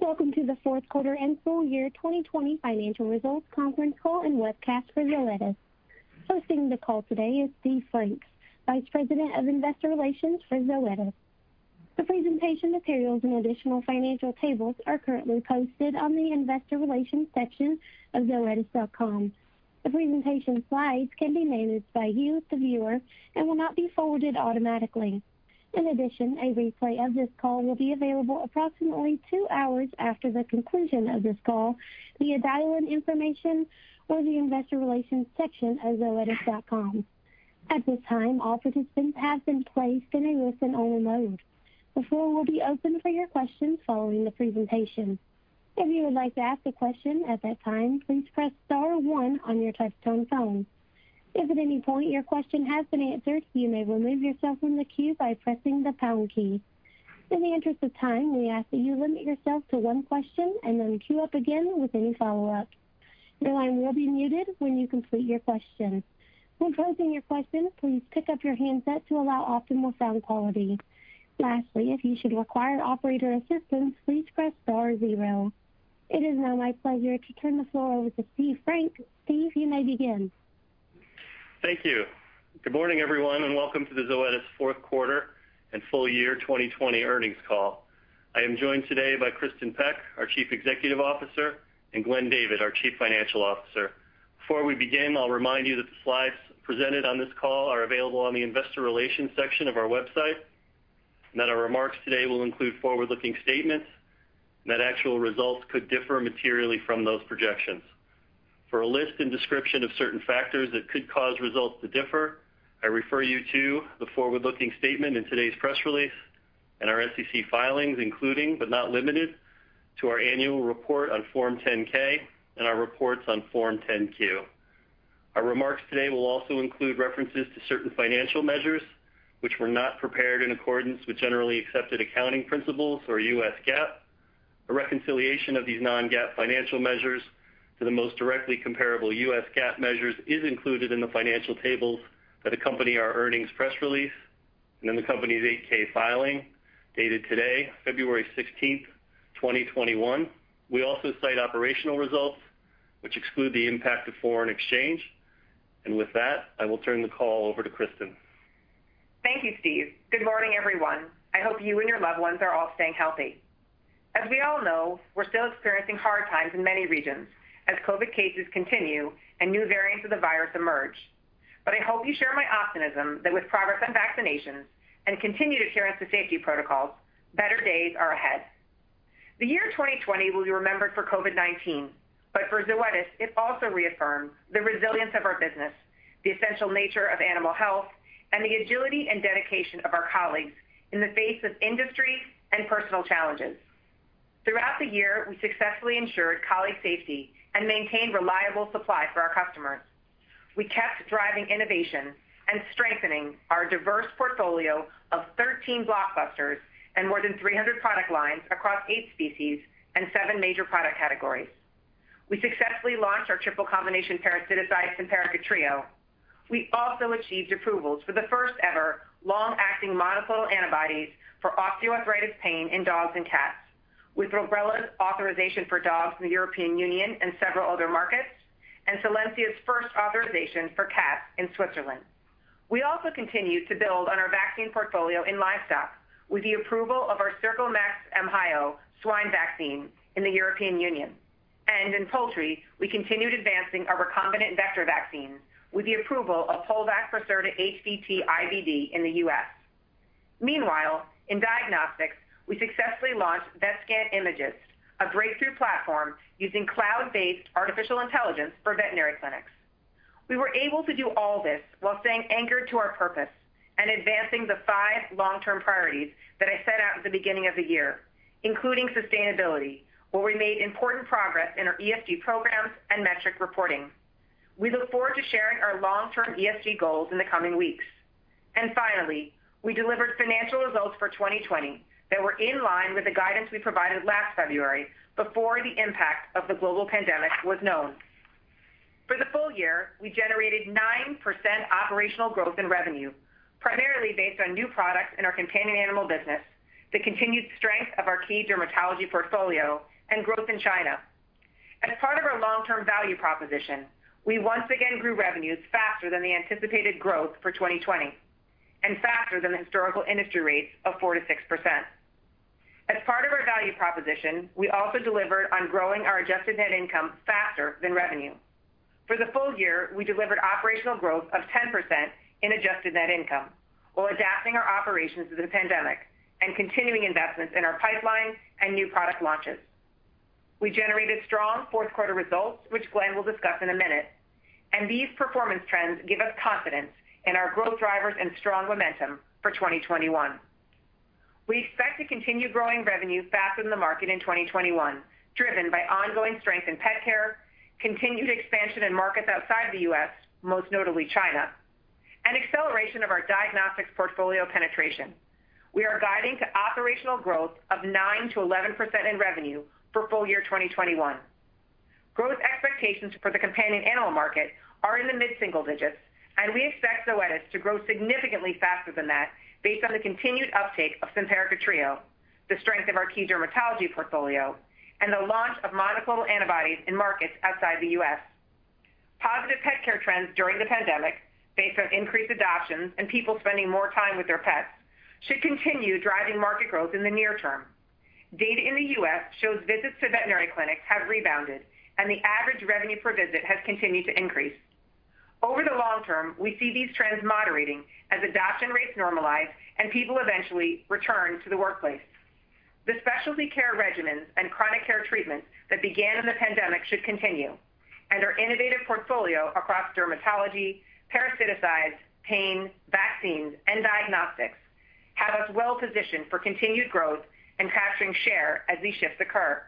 Welcome to the fourth quarter and full year 2020 financial results conference call and webcast for Zoetis. Hosting the call today is Steve Frank, Vice President of Investor Relations for Zoetis. The presentation materials and additional financial tables are currently posted on the investor relations section of zoetis.com. The presentation slides can be managed by you, the viewer, and will not be forwarded automatically. In addition, a replay of this call will be available approximately two hours after the conclusion of this call via dial-in information or the investor relations section of zoetis.com. At this time, all participants have been placed in a listen-only mode. The floor will be open for your questions following the presentation. If you would like to ask a question at that time, please press star one on your touch-tone phone. If at any point your question have been answered, remove yourself from the queue by pressing the pound key. At this time we ask you to limit yourself to one question and then queue up again with any follow up. Your line will be muted when you complete your question. When you are closing your question please pick your handset to allow optimal sound quality. If you should require operators assistant please press star zero. It is now my pleasure to turn the floor over to Steve Frank. Steve, you may begin. Thank you. Good morning, everyone, and welcome to the Zoetis fourth quarter and full year 2020 earnings call. I am joined today by Kristin Peck, our Chief Executive Officer, and Glenn David, our Chief Financial Officer. Before we begin, I'll remind you that the slides presented on this call are available on the investor relations section of our website, our remarks today will include forward-looking statements, actual results could differ materially from those projections. For a list and description of certain factors that could cause results to differ, I refer you to the forward-looking statement in today's press release and our SEC filings, including, but not limited to our annual report on Form 10-K and our reports on Form 10-Q. Our remarks today will also include references to certain financial measures which were not prepared in accordance with generally accepted accounting principles or U.S. GAAP. A reconciliation of these non-GAAP financial measures to the most directly comparable U.S. GAAP measures is included in the financial tables that accompany our earnings press release and in the company's 8-K filing dated today, February 16, 2021. We also cite operational results which exclude the impact of foreign exchange. With that, I will turn the call over to Kristin. Thank you, Steve. Good morning, everyone. I hope you and your loved ones are all staying healthy. As we all know, we're still experiencing hard times in many regions as COVID cases continue and new variants of the virus emerge. I hope you share my optimism that with progress on vaccinations and continued adherence to safety protocols, better days are ahead. The year 2020 will be remembered for COVID-19, but for Zoetis, it also reaffirmed the resilience of our business, the essential nature of animal health, and the agility and dedication of our colleagues in the face of industry and personal challenges. Throughout the year, we successfully ensured colleague safety and maintained reliable supply for our customers. We kept driving innovation and strengthening our diverse portfolio of 13 blockbusters and more than 300 product lines across eight species and seven major product categories. We successfully launched our triple combination parasiticide Simparica Trio. We also achieved approvals for the first ever long-acting monoclonal antibodies for osteoarthritis pain in dogs and cats with Librela's authorization for dogs in the European Union and several other markets, and Solensia's first authorization for cats in Switzerland. We also continued to build on our vaccine portfolio in livestock with the approval of our CircoMax Myco swine vaccine in the European Union. In poultry, we continued advancing our recombinant vector vaccines with the approval of Poulvac for certain HVT IBD in the U.S. Meanwhile, in diagnostics, we successfully launched VetScan Imagyst, a breakthrough platform using cloud-based artificial intelligence for veterinary clinics. We were able to do all this while staying anchored to our purpose and advancing the five long-term priorities that I set out at the beginning of the year, including sustainability, where we made important progress in our ESG programs and metric reporting. We look forward to sharing our long-term ESG goals in the coming weeks. Finally, we delivered financial results for 2020 that were in line with the guidance we provided last February before the impact of the global pandemic was known. For the full year, we generated 9% operational growth in revenue, primarily based on new products in our companion animal business, the continued strength of our key dermatology portfolio, and growth in China. As part of our long-term value proposition, we once again grew revenues faster than the anticipated growth for 2020 and faster than the historical industry rates of 4%-6%. As part of our value proposition, we also delivered on growing our adjusted net income faster than revenue. For the full year, we delivered operational growth of 10% in adjusted net income while adapting our operations to the pandemic and continuing investments in our pipeline and new product launches. We generated strong fourth quarter results, which Glenn will discuss in a minute. These performance trends give us confidence in our growth drivers and strong momentum for 2021. We expect to continue growing revenue faster than the market in 2021, driven by ongoing strength in pet care, continued expansion in markets outside the U.S., most notably China, and acceleration of our diagnostics portfolio penetration. We are guiding to operational growth of 9%-11% in revenue for full year 2021. Growth expectations for the companion animal market are in the mid-single digits, and we expect Zoetis to grow significantly faster than that based on the continued uptake of Simparica Trio, the strength of our key dermatology portfolio, and the launch of monoclonal antibodies in markets outside the U.S. Positive pet care trends during the pandemic based on increased adoptions and people spending more time with their pets should continue driving market growth in the near term. Data in the U.S. shows visits to veterinary clinics have rebounded, and the average revenue per visit has continued to increase. Over the long term, we see these trends moderating as adoption rates normalize and people eventually return to the workplace. The specialty care regimens and chronic care treatments that began in the pandemic should continue, and our innovative portfolio across dermatology, parasiticides, pain, vaccines, and diagnostics have us well-positioned for continued growth and capturing share as these shifts occur.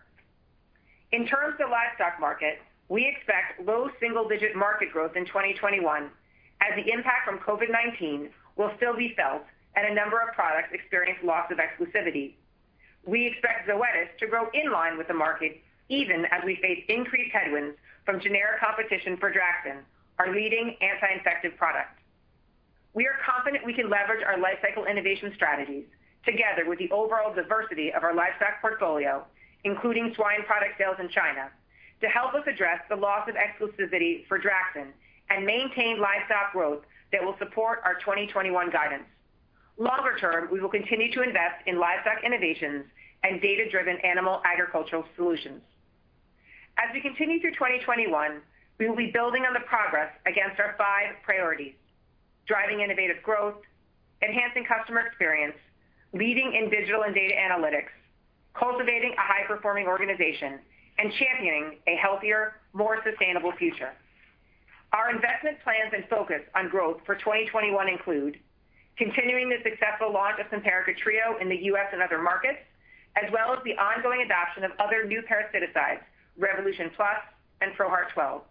In terms of the livestock market, we expect low single-digit market growth in 2021 as the impact from COVID-19 will still be felt and a number of products experience loss of exclusivity. We expect Zoetis to grow in line with the market even as we face increased headwinds from generic competition for Draxxin, our leading anti-infective product. We are confident we can leverage our lifecycle innovation strategies together with the overall diversity of our livestock portfolio, including swine product sales in China, to help us address the loss of exclusivity for Draxxin and maintain livestock growth that will support our 2021 guidance. Longer term, we will continue to invest in livestock innovations and data-driven animal agricultural solutions. As we continue through 2021, we will be building on the progress against our five priorities: driving innovative growth, enhancing customer experience, leading in digital and data analytics, cultivating a high-performing organization, and championing a healthier, more sustainable future. Our investment plans and focus on growth for 2021 include continuing the successful launch of Simparica Trio in the U.S. and other markets, as well as the ongoing adoption of other new parasiticides, Revolution Plus and ProHeart 12.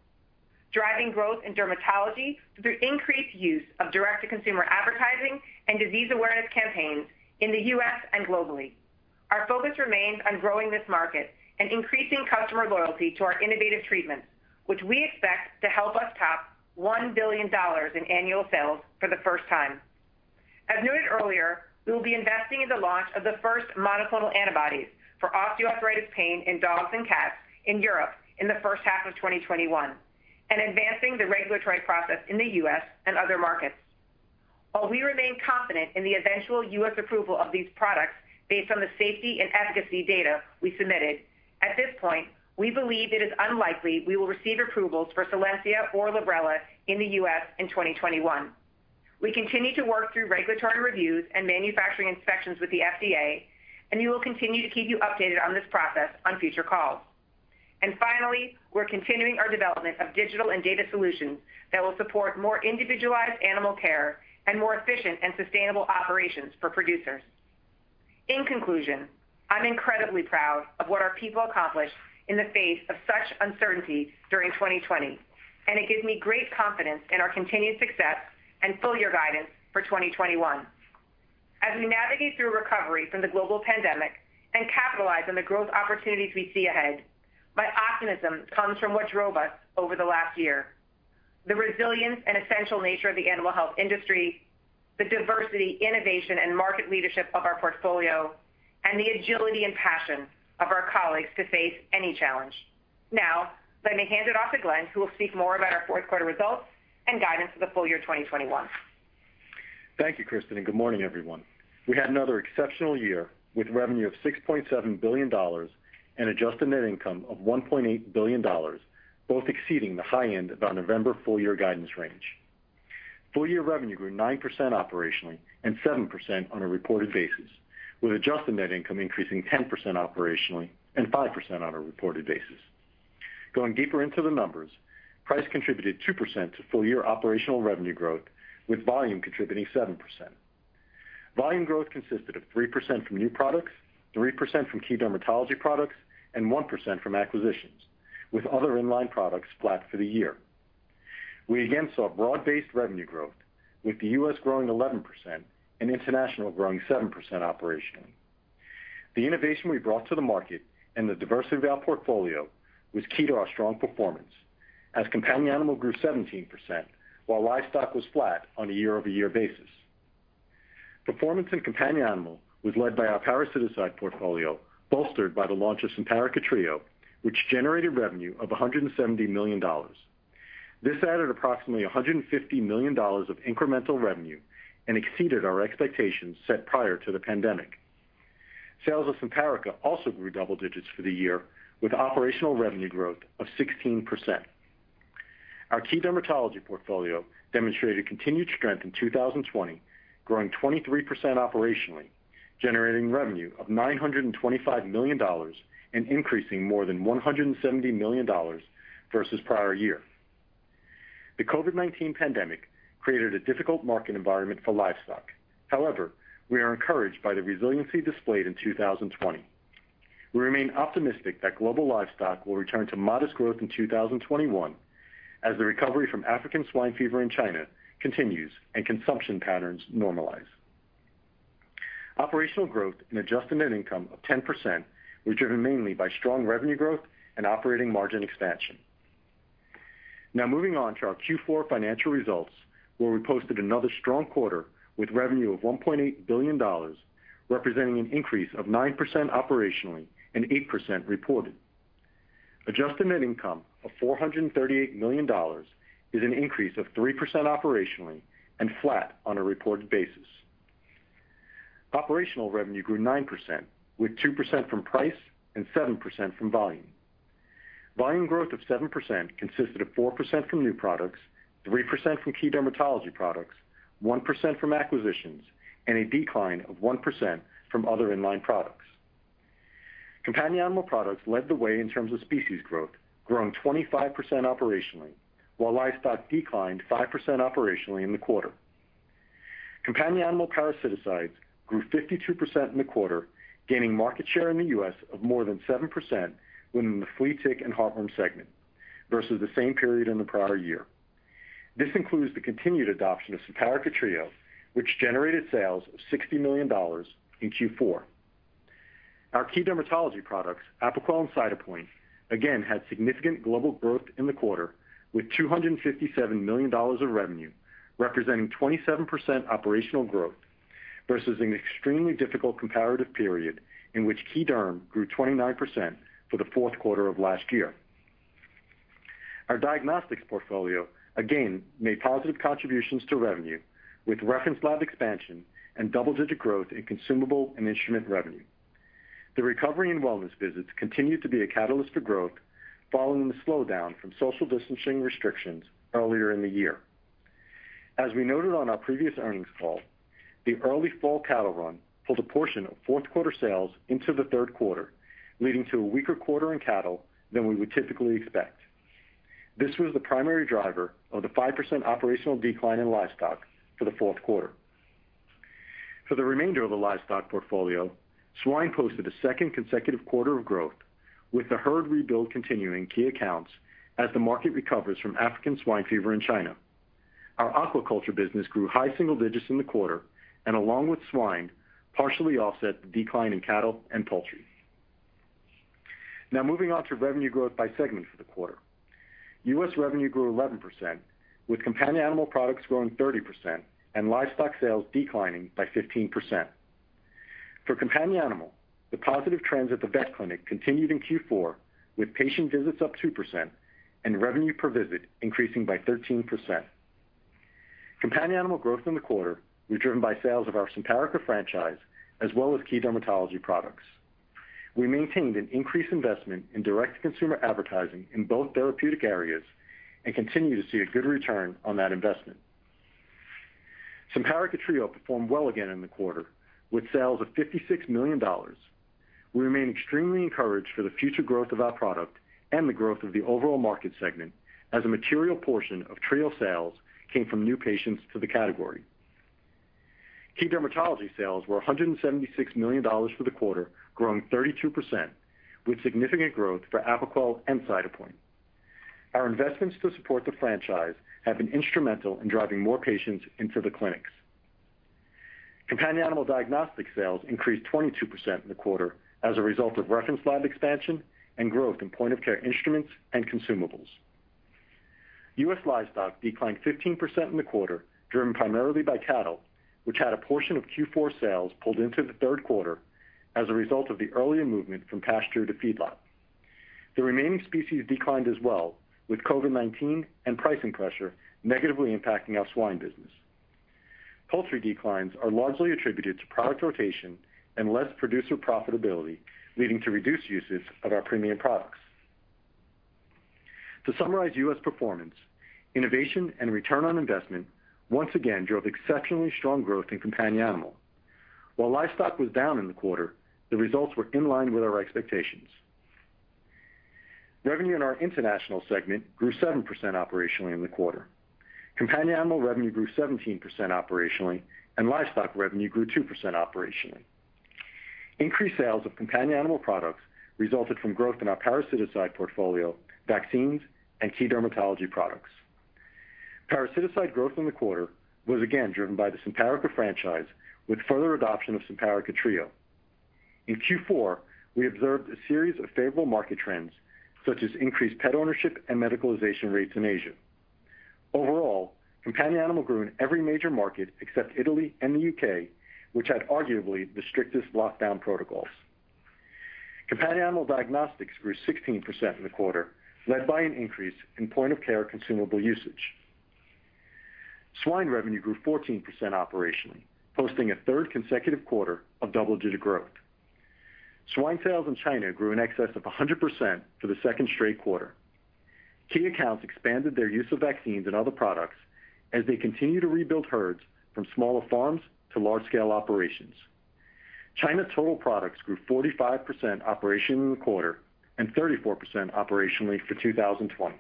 Driving growth in dermatology through increased use of direct-to-consumer advertising and disease awareness campaigns in the U.S. and globally. Our focus remains on growing this market and increasing customer loyalty to our innovative treatments, which we expect to help us top $1 billion in annual sales for the first time. As noted earlier, we will be investing in the launch of the first monoclonal antibodies for osteoarthritis pain in dogs and cats in Europe in the first half of 2021 and advancing the regulatory process in the U.S. and other markets. While we remain confident in the eventual U.S. approval of these products based on the safety and efficacy data we submitted, at this point, we believe it is unlikely we will receive approvals for Solensia or Librela in the U.S. in 2021. We continue to work through regulatory reviews and manufacturing inspections with the FDA, and we will continue to keep you updated on this process on future calls. Finally, we're continuing our development of digital and data solutions that will support more individualized animal care and more efficient and sustainable operations for producers. In conclusion, I'm incredibly proud of what our people accomplished in the face of such uncertainty during 2020, and it gives me great confidence in our continued success and full-year guidance for 2021. As we navigate through recovery from the global pandemic and capitalize on the growth opportunities we see ahead, my optimism comes from what drove us over the last year, the resilience and essential nature of the animal health industry, the diversity, innovation, and market leadership of our portfolio, and the agility and passion of our colleagues to face any challenge. Now, let me hand it off to Glenn, who will speak more about our fourth quarter results and guidance for the full year 2021. Thank you, Kristin, and good morning, everyone. We had another exceptional year with revenue of $6.7 billion and adjusted net income of $1.8 billion, both exceeding the high end of our November full-year guidance range. Full-year revenue grew 9% operationally and 7% on a reported basis, with adjusted net income increasing 10% operationally and 5% on a reported basis. Going deeper into the numbers, price contributed 2% to full-year operational revenue growth, with volume contributing 7%. Volume growth consisted of 3% from new products, 3% from key dermatology products, and 1% from acquisitions, with other in-line products flat for the year. We again saw broad-based revenue growth, with the U.S. growing 11% and international growing 7% operationally. The innovation we brought to the market and the diversity of our portfolio was key to our strong performance as companion animal grew 17%, while livestock was flat on a year-over-year basis. Performance in companion animal was led by our parasiticides portfolio, bolstered by the launch of Simparica Trio, which generated revenue of $170 million. This added approximately $150 million of incremental revenue and exceeded our expectations set prior to the pandemic. Sales of Simparica also grew double digits for the year, with operational revenue growth of 16%. Our key dermatology portfolio demonstrated continued strength in 2020, growing 23% operationally, generating revenue of $925 million and increasing more than $170 million versus prior year. The COVID-19 pandemic created a difficult market environment for livestock. However, we are encouraged by the resiliency displayed in 2020. We remain optimistic that global livestock will return to modest growth in 2021 as the recovery from African swine fever in China continues and consumption patterns normalize. Operational growth in adjusted net income of 10% were driven mainly by strong revenue growth and operating margin expansion. Moving on to our Q4 financial results, where we posted another strong quarter with revenue of $1.8 billion, representing an increase of 9% operationally and 8% reported. Adjusted net income of $438 million is an increase of 3% operationally and flat on a reported basis. Operational revenue grew 9%, with 2% from price and 7% from volume. Volume growth of 7% consisted of 4% from new products, 3% from key dermatology products, 1% from acquisitions, and a decline of 1% from other in-line products. Companion animal products led the way in terms of species growth, growing 25% operationally, while livestock declined 5% operationally in the quarter. Companion animal parasiticides grew 52% in the quarter, gaining market share in the U.S. of more than 7% within the flea tick and heartworm segment versus the same period in the prior year. This includes the continued adoption of Simparica Trio, which generated sales of $60 million in Q4. Our key dermatology products, Apoquel and Cytopoint, again had significant global growth in the quarter, with $257 million of revenue, representing 27% operational growth versus an extremely difficult comparative period in which key derm grew 29% for the fourth quarter of last year. Our diagnostics portfolio again made positive contributions to revenue with reference lab expansion and double-digit growth in consumable and instrument revenue. The recovery in wellness visits continued to be a catalyst for growth following the slowdown from social distancing restrictions earlier in the year. As we noted on our previous earnings call, the early fall cattle run pulled a portion of fourth quarter sales into the third quarter, leading to a weaker quarter in cattle than we would typically expect. This was the primary driver of the 5% operational decline in livestock for the fourth quarter. For the remainder of the livestock portfolio, swine posted a second consecutive quarter of growth, with the herd rebuild continuing key accounts as the market recovers from African swine fever in China. Our aquaculture business grew high single digits in the quarter, and along with swine, partially offset the decline in cattle and poultry. Moving on to revenue growth by segment for the quarter. U.S. revenue grew 11%, with companion animal products growing 30% and livestock sales declining by 15%. For companion animal, the positive trends at the vet clinic continued in Q4, with patient visits up 2% and revenue per visit increasing by 13%. Companion animal growth in the quarter were driven by sales of our Simparica franchise as well as key dermatology products. We maintained an increased investment in direct-to-consumer advertising in both therapeutic areas and continue to see a good return on that investment. Simparica Trio performed well again in the quarter, with sales of $56 million. We remain extremely encouraged for the future growth of our product and the growth of the overall market segment as a material portion of Trio sales came from new patients to the category. Key dermatology sales were $176 million for the quarter, growing 32%, with significant growth for Apoquel and Cytopoint. Our investments to support the franchise have been instrumental in driving more patients into the clinics. Companion animal diagnostic sales increased 22% in the quarter as a result of reference lab expansion and growth in point-of-care instruments and consumables. U.S. livestock declined 15% in the quarter, driven primarily by cattle, which had a portion of Q4 sales pulled into the third quarter as a result of the earlier movement from pasture to feedlot. The remaining species declined as well, with COVID-19 and pricing pressure negatively impacting our swine business. Poultry declines are largely attributed to product rotation and less producer profitability, leading to reduced usage of our premium products. To summarize U.S. performance, innovation and return on investment once again drove exceptionally strong growth in companion animal. While livestock was down in the quarter, the results were in line with our expectations. Revenue in our international segment grew 7% operationally in the quarter. Companion animal revenue grew 17% operationally, and livestock revenue grew 2% operationally. Increased sales of companion animal products resulted from growth in our parasiticide portfolio, vaccines, and key dermatology products. Parasiticide growth in the quarter was again driven by the Simparica franchise, with further adoption of Simparica Trio. In Q4, we observed a series of favorable market trends, such as increased pet ownership and medicalization rates in Asia. Overall, companion animal grew in every major market except Italy and the U.K., which had arguably the strictest lockdown protocols. Companion animal diagnostics grew 16% in the quarter, led by an increase in point-of-care consumable usage. Swine revenue grew 14% operationally, posting a third consecutive quarter of double-digit growth. Swine sales in China grew in excess of 100% for the second straight quarter. Key accounts expanded their use of vaccines and other products as they continue to rebuild herds from smaller farms to large-scale operations. China total products grew 45% operationally in the quarter and 34% operationally for 2020.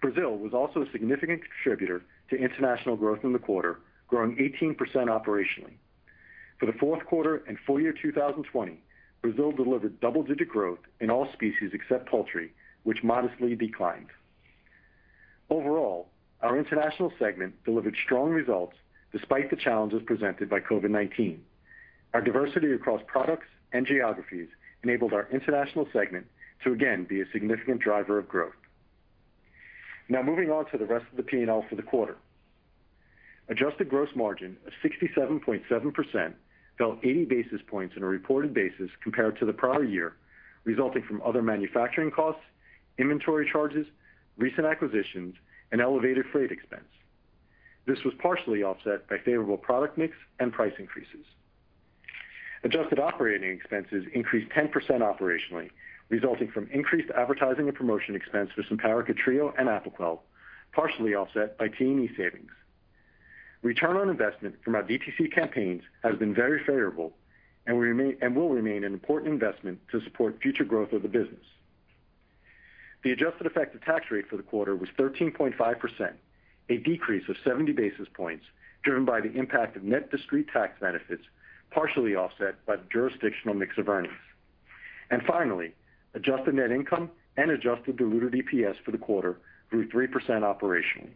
Brazil was also a significant contributor to international growth in the quarter, growing 18% operationally. For the fourth quarter and full year 2020, Brazil delivered double-digit growth in all species except poultry, which modestly declined. Overall, our international segment delivered strong results despite the challenges presented by COVID-19. Our diversity across products and geographies enabled our international segment to again be a significant driver of growth. Now moving on to the rest of the P&L for the quarter. Adjusted gross margin of 67.7% fell 80 basis points on a reported basis compared to the prior year, resulting from other manufacturing costs, inventory charges, recent acquisitions, and elevated freight expense. This was partially offset by favorable product mix and price increases. Adjusted operating expenses increased 10% operationally, resulting from increased advertising and promotion expense for Simparica Trio and Apoquel, partially offset by T&E savings. Return on investment from our DTC campaigns has been very favorable and we will remain an important investment to support future growth of the business. The adjusted effective tax rate for the quarter was 13.5%, a decrease of 70 basis points driven by the impact of net discrete tax benefits, partially offset by the jurisdictional mix of earnings. Finally, adjusted net income and adjusted diluted EPS for the quarter grew 3% operationally.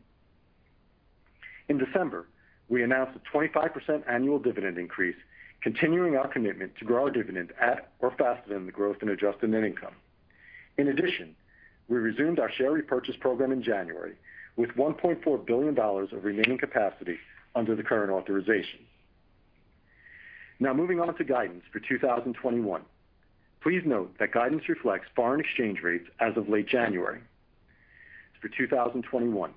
In December, we announced a 25% annual dividend increase, continuing our commitment to grow our dividend at or faster than the growth in adjusted net income. In addition, we resumed our share repurchase program in January with $1.4 billion of remaining capacity under the current authorization. Moving on to guidance for 2021. Please note that guidance reflects foreign exchange rates as of late January. For 2021,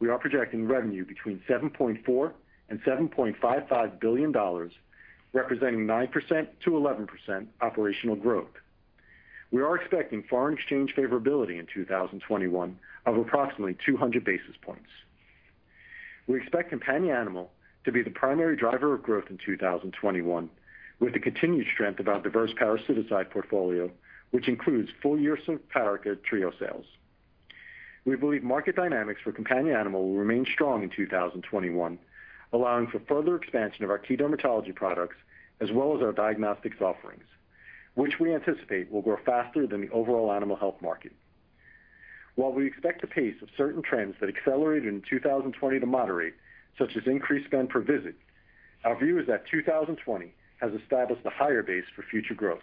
we are projecting revenue between $7.4 billion-$7.55 billion, representing 9%-11% operational growth. We are expecting foreign exchange favorability in 2021 of approximately 200 basis points. We expect companion animal to be the primary driver of growth in 2021, with the continued strength of our diverse parasiticide portfolio, which includes full year Simparica Trio sales. We believe market dynamics for companion animal will remain strong in 2021, allowing for further expansion of our key dermatology products as well as our diagnostics offerings, which we anticipate will grow faster than the overall animal health market. While we expect the pace of certain trends that accelerated in 2020 to moderate, such as increased spend per visit, our view is that 2020 has established a higher base for future growth.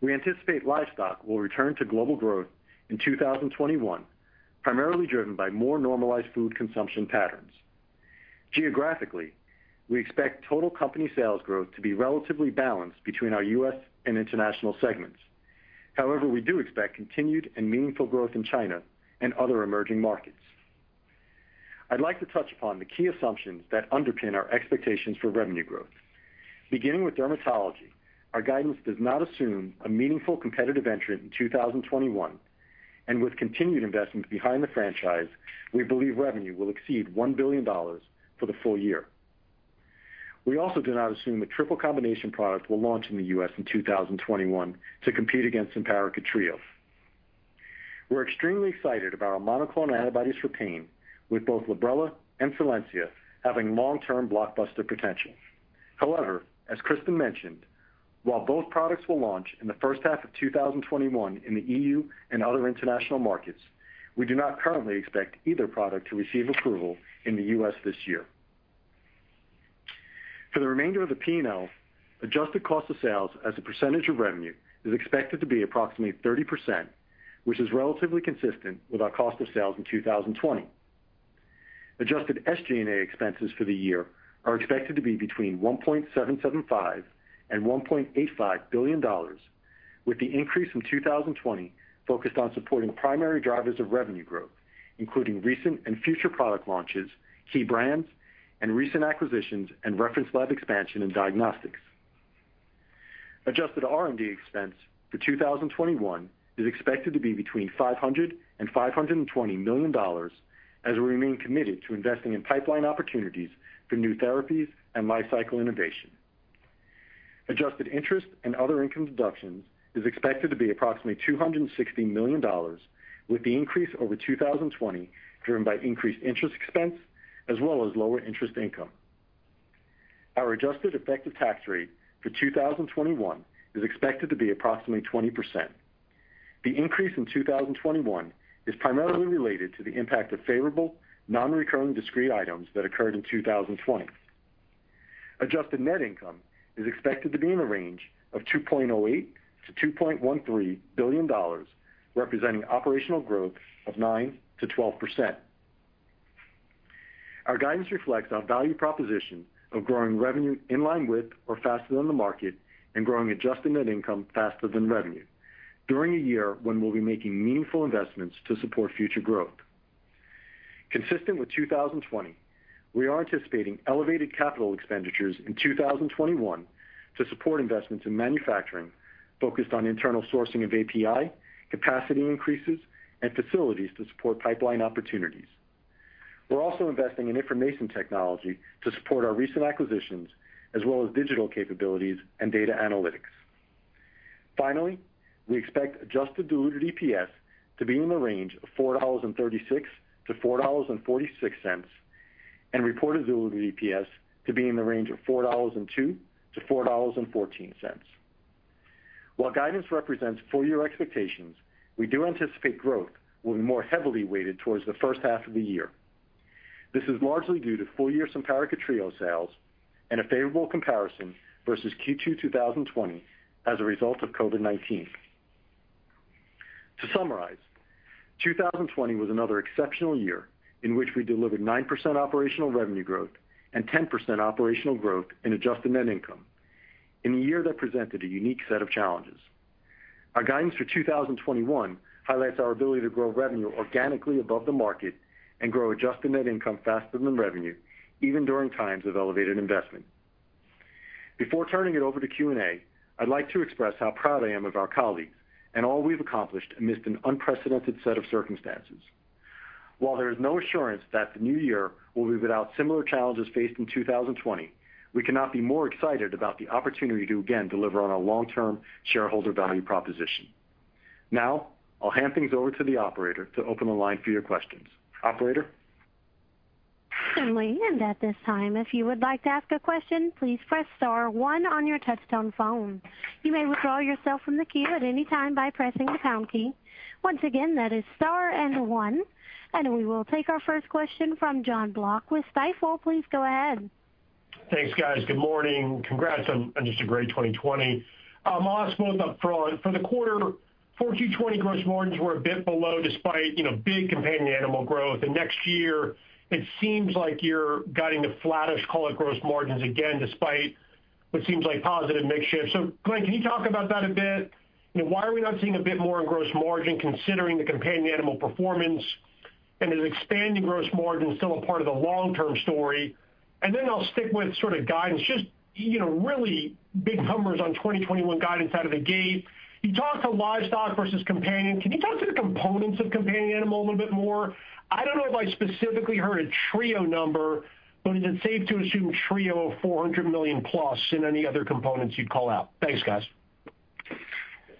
We anticipate livestock will return to global growth in 2021, primarily driven by more normalized food consumption patterns. Geographically, we expect total company sales growth to be relatively balanced between our U.S. and international segments. We do expect continued and meaningful growth in China and other emerging markets. I'd like to touch upon the key assumptions that underpin our expectations for revenue growth. Beginning with dermatology, our guidance does not assume a meaningful competitive entrant in 2021. With continued investments behind the franchise, we believe revenue will exceed $1 billion for the full year. We also do not assume a triple combination product will launch in the U.S. in 2021 to compete against Simparica Trio. We're extremely excited about our monoclonal antibodies for pain, with both Librela and Solensia having long-term blockbuster potential. As Kristin mentioned, while both products will launch in the first half of 2021 in the EU and other international markets, we do not currently expect either product to receive approval in the U.S. this year. For the remainder of the P&L, adjusted cost of sales as a percentage of revenue is expected to be approximately 30%, which is relatively consistent with our cost of sales in 2020. Adjusted SG&A expenses for the year are expected to be between $1.775 billion and $1.85 billion, with the increase from 2020 focused on supporting primary drivers of revenue growth, including recent and future product launches, key brands, and recent acquisitions and reference lab expansion and diagnostics. Adjusted R&D expense for 2021 is expected to be between $500 million and $520 million as we remain committed to investing in pipeline opportunities for new therapies and life cycle innovation. Adjusted interest and other income deductions is expected to be approximately $260 million, with the increase over 2020 driven by increased interest expense as well as lower interest income. Our adjusted effective tax rate for 2021 is expected to be approximately 20%. The increase in 2021 is primarily related to the impact of favorable, non-recurring discrete items that occurred in 2020. Adjusted net income is expected to be in the range of $2.08 billion-$2.13 billion, representing operational growth of 9%-12%. Our guidance reflects our value proposition of growing revenue in line with or faster than the market and growing adjusted net income faster than revenue during a year when we'll be making meaningful investments to support future growth. Consistent with 2020, we are anticipating elevated capital expenditures in 2021 to support investments in manufacturing focused on internal sourcing of API, capacity increases, and facilities to support pipeline opportunities. We're also investing in information technology to support our recent acquisitions as well as digital capabilities and data analytics. Finally, we expect adjusted diluted EPS to be in the range of $4.36-$4.46, and reported diluted EPS to be in the range of $4.02-$4.14. Guidance represents full year expectations, we do anticipate growth will be more heavily weighted towards the first half of the year. This is largely due to full year Simparica Trio sales and a favorable comparison versus Q2 2020 as a result of COVID-19. To summarize, 2020 was another exceptional year in which we delivered 9% operational revenue growth and 10% operational growth in adjusted net income in a year that presented a unique set of challenges. Our guidance for 2021 highlights our ability to grow revenue organically above the market and grow adjusted net income faster than revenue even during times of elevated investment. Before turning it over to Q&A, I'd like to express how proud I am of our colleagues and all we've accomplished amidst an unprecedented set of circumstances. While there is no assurance that the new year will be without similar challenges faced in 2020, we cannot be more excited about the opportunity to again deliver on our long-term shareholder value proposition. Now, I'll hand things over to the operator to open the line for your questions. Operator? Certainly. At this time, if you would like to ask a question, please press star one on your touch-tone phone. You may withdraw yourself from the queue at any time by pressing the pound key. Once again, that is star and one. We will take our first question from Jon Block with Stifel. Please go ahead. Thanks, guys. Good morning. Congrats on just a great 2020. I'll ask both up front. For the quarter, for Q20 gross margins were a bit below despite, you know, big companion animal growth. Next year it seems like you're guiding to flattish call it gross margins again, despite what seems like positive mix shift. Glenn, can you talk about that a bit? You know, why are we not seeing a bit more in gross margin considering the companion animal performance and is expanding gross margin still a part of the long-term story? I'll stick with sort of guidance, just, you know, really big numbers on 2021 guidance out of the gate. You talked to livestock versus companion. Can you talk to the components of companion animal a little bit more? I don't know if I specifically heard a Trio number, but is it safe to assume Trio $400 million plus in any other components you'd call out? Thanks, guys.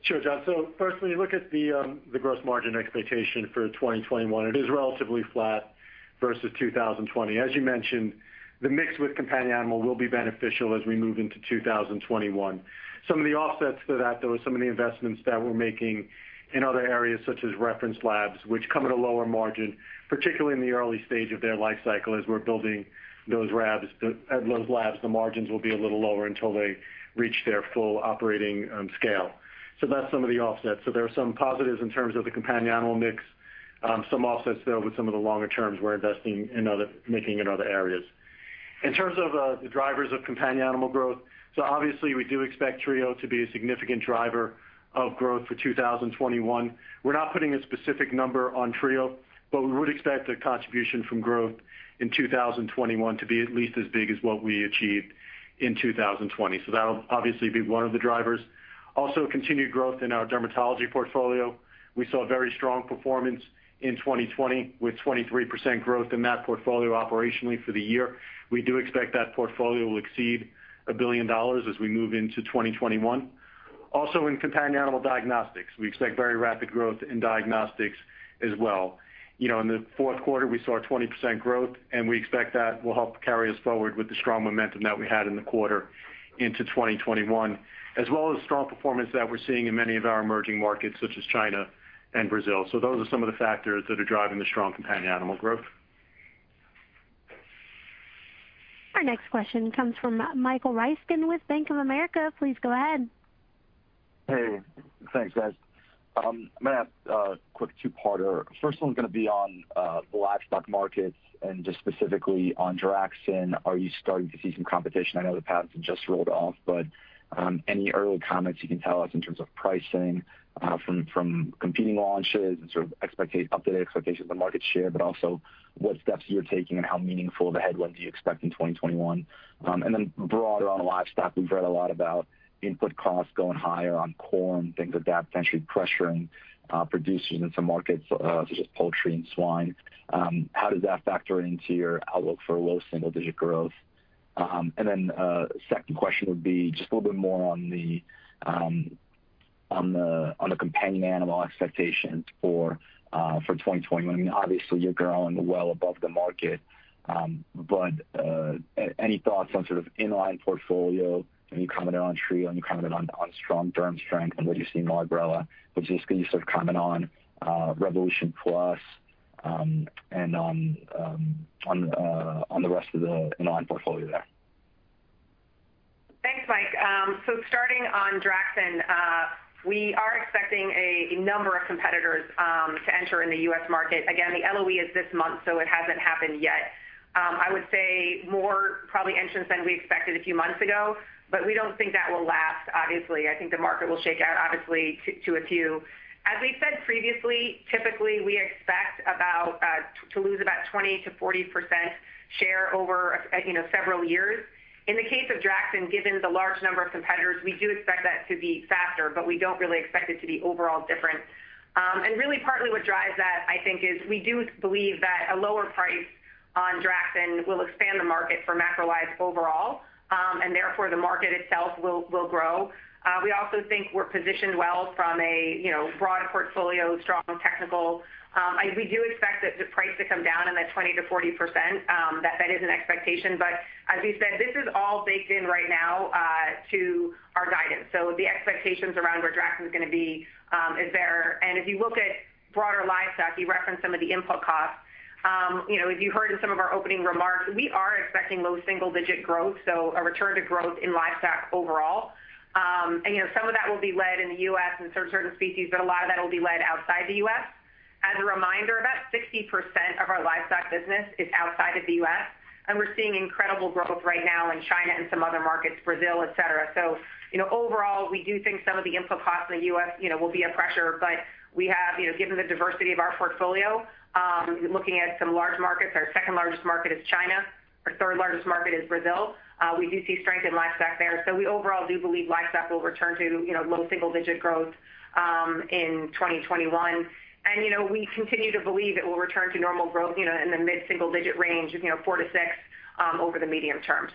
Sure, Jon. Firstly, you look at the gross margin expectation for 2021. It is relatively flat versus 2020. As you mentioned, the mix with companion animal will be beneficial as we move into 2021. Some of the offsets to that though is some of the investments that we're making in other areas such as reference labs, which come at a lower margin, particularly in the early stage of their life cycle. As we're building those labs, at those labs, the margins will be a little lower until they reach their full operating scale. That's some of the offsets. There are some positives in terms of the companion animal mix, some offsets there with some of the longer terms we're investing in making in other areas. In terms of the drivers of companion animal growth, obviously we do expect Trio to be a significant driver of growth for 2021. We're not putting a specific number on Trio, but we would expect the contribution from growth in 2021 to be at least as big as what we achieved in 2020. That'll obviously be one of the drivers. Also, continued growth in our dermatology portfolio. We saw very strong performance in 2020 with 23% growth in that portfolio operationally for the year. We do expect that portfolio will exceed a billion dollars as we move into 2021. Also, in companion animal diagnostics, we expect very rapid growth in diagnostics as well. You know, in the fourth quarter we saw a 20% growth. We expect that will help carry us forward with the strong momentum that we had in the quarter into 2021, as well as strong performance that we're seeing in many of our emerging markets such as China and Brazil. Those are some of the factors that are driving the strong companion animal growth. Our next question comes from Michael Ryskin with Bank of America. Please go ahead. Hey. Thanks, guys. I'm gonna ask a quick two-parter. First one's gonna be on the livestock markets and just specifically on Draxxin. Are you starting to see some competition? I know the patents have just rolled off, but any early comments you can tell us in terms of pricing from competing launches and sort of updated expectations on market share, but also what steps you're taking and how meaningful of a headwind do you expect in 2021? Broader on livestock, we've read a lot about input costs going higher on corn, things of that potentially pressuring producers in some markets such as poultry and swine. How does that factor into your outlook for low single digit growth? Second question would be just a little bit more on the companion animal expectations for 2021. I mean, obviously you're growing well above the market, but, any thoughts on sort of inline portfolio? Any comment on Trio, any comment on strong derm strength and what you see in Librela? Just can you sort of comment on Revolution Plus, and on the rest of the inline portfolio there? Thanks, Mike. Starting on Draxxin, we are expecting a number of competitors to enter in the U.S. market. Again, the LOE is this month, so it hasn't happened yet. I would say more probably entrants than we expected a few months ago, but we don't think that will last, obviously. I think the market will shake out obviously to a few. As we've said previously, typically we expect about to lose about 20%-40% share over, you know, several years. In the case of Draxxin, given the large number of competitors, we do expect that to be faster, but we don't really expect it to be overall different. Really partly what drives that, I think, is we do believe that a lower price on Draxxin will expand the market for macrolides overall. Therefore, the market itself will grow. We also think we're positioned well from a, you know, broad portfolio, strong technical, we do expect the price to come down in the 20%-40%. That is an expectation. As we said, this is all baked in right now to our guidance. The expectations around where Draxxin is gonna be is there. If you look at broader livestock, you referenced some of the input costs. You know, as you heard in some of our opening remarks, we are expecting low single-digit growth, so a return to growth in livestock overall. You know, some of that will be led in the U.S. in certain species, but a lot of that will be led outside the U.S. As a reminder, about 60% of our livestock business is outside of the U.S., and we're seeing incredible growth right now in China and some other markets, Brazil, etc. Overall, you know, we do think some of the input costs in the U.S., you know, will be a pressure, but we have, you know, given the diversity of our portfolio, looking at some large markets, our second-largest market is China. Our third-largest market is Brazil. We do see strength in livestock there. We overall do believe livestock will return to, you know, low single-digit growth in 2021. You know, we continue to believe it will return to normal growth, you know, in the mid-single digit range of, you know, 4%-6% over the medium term.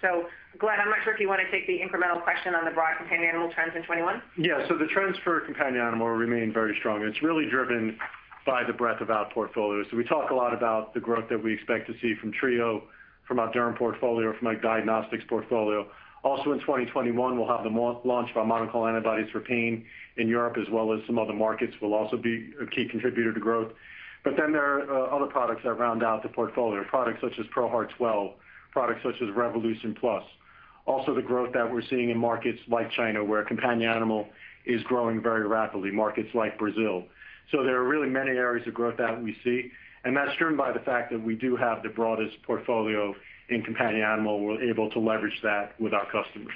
Glenn, I'm not sure if you want to take the incremental question on the broad companion animal trends in 2021? The trends for companion animal remain very strong. It's really driven by the breadth of our portfolio. We talk a lot about the growth that we expect to see from Trio, from our derm portfolio, from our diagnostics portfolio. Also in 2021, we'll have the launch of our monoclonal antibodies for pain in Europe as well as some other markets will also be a key contributor to growth. There are other products that round out the portfolio, products such as ProHeart 12, products such as Revolution Plus. Also the growth that we're seeing in markets like China, where companion animal is growing very rapidly, markets like Brazil. There are really many areas of growth that we see, and that's driven by the fact that we do have the broadest portfolio in companion animal. We're able to leverage that with our customers.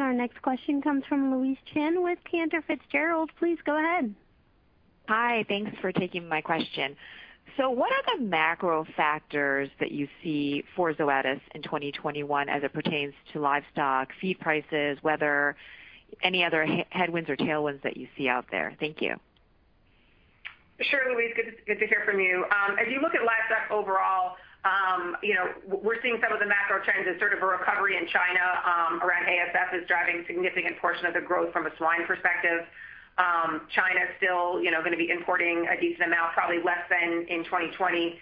Our next question comes from Louise Chen with Cantor Fitzgerald. Please go ahead. Hi. Thanks for taking my question. What are the macro factors that you see for Zoetis in 2021 as it pertains to livestock, feed prices, weather, any other headwinds or tailwinds that you see out there? Thank you. Sure, Louise. Good to hear from you. If you look at livestock overall, you know, we're seeing some of the macro trends as sort of a recovery in China, around ASF is driving a significant portion of the growth from a swine perspective. China's still, you know, gonna be importing a decent amount, probably less than in 2020,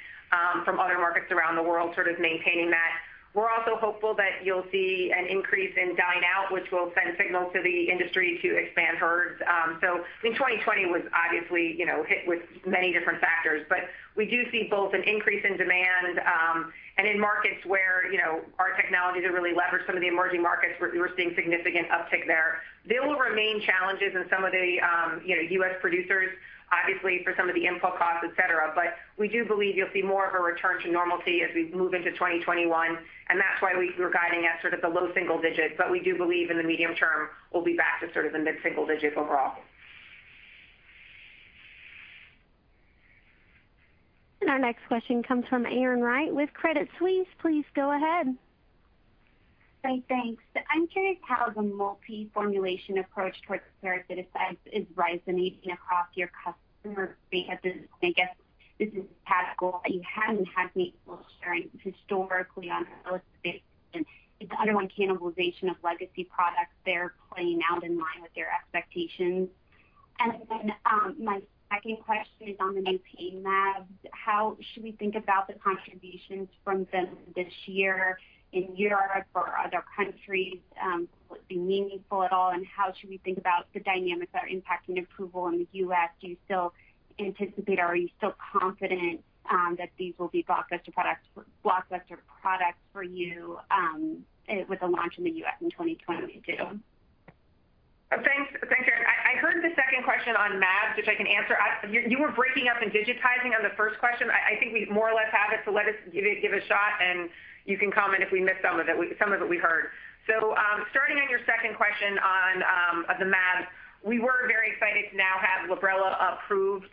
from other markets around the world, sort of maintaining that. We're also hopeful that you'll see an increase in dine out, which will send signals to the industry to expand herds. I mean, 2020 was obviously, you know, hit with many different factors, but we do see both an increase in demand, and in markets where, you know, our technologies are really leveraged. Some of the emerging markets we're seeing significant uptick there. There will remain challenges in some of the, you know, U.S. producers, obviously for some of the input costs, et cetera. We do believe you'll see more of a return to normalcy as we move into 2021, and that's why we're guiding at sort of the low single digits. We do believe in the medium term we'll be back to sort of the mid-single digits overall. Our next question comes from Erin Wright with Credit Suisse. Please go ahead. Hi. Thanks. I'm curious how the multi-formulation approach towards parasiticides is resonating across your customer base. I guess this is tactical. My second question is on the new pain jabs. How should we think about the contributions from them this year in Europe or other countries, will it be meaningful at all? How should we think about the dynamics that are impacting approval in the U.S.? Do you still anticipate or are you still confident that these will be blockbuster products for you, with a launch in the U.S. in 2022? Thanks. Thanks, Erin. I heard the second question on jabs, which I can answer. You were breaking up and digitizing on the first question. I think we more or less have it, let us give it a shot, and you can comment if we missed some of it, some of it we heard. Starting on your second question on the jabs. We were very excited to now have Librela approved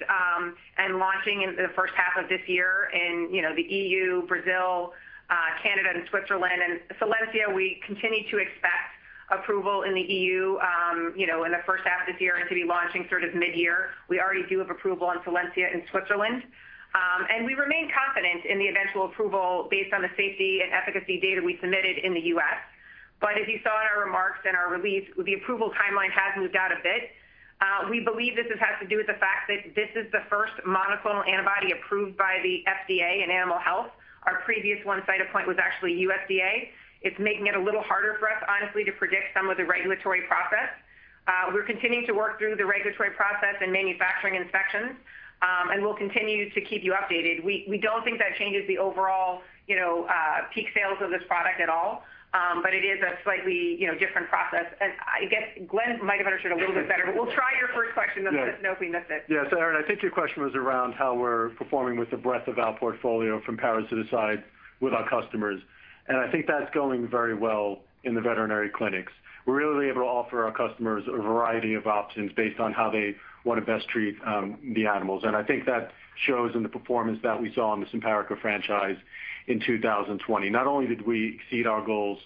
and launching in the first half of this year in, you know, the EU, Brazil, Canada, and Switzerland. Solensia, we continue to expect approval in the EU, you know, in the first half of this year and to be launching sort of midyear. We already do have approval on Solensia in Switzerland. We remain confident in the eventual approval based on the safety and efficacy data we submitted in the U.S. As you saw in our remarks and our release, the approval timeline has moved out a bit. We believe this has to do with the fact that this is the first monoclonal antibody approved by the FDA in animal health. Our previous one, Cytopoint, was actually USDA. It's making it a little harder for us, honestly, to predict some of the regulatory process. We're continuing to work through the regulatory process and manufacturing inspections, and we'll continue to keep you updated. We don't think that changes the overall, you know, peak sales of this product at all, but it is a slightly, you know, different. I guess Glenn might have understood a little bit better, but we'll try your first question. Yes just nope, we missed it. Yes, Erin, I think your question was around how we're performing with the breadth of our portfolio from parasiticides with our customers, and I think that's going very well in the veterinary clinics. We're really able to offer our customers a variety of options based on how they wanna best treat the animals. I think that shows in the performance that we saw in the Simparica franchise in 2020. Not only did we exceed our goals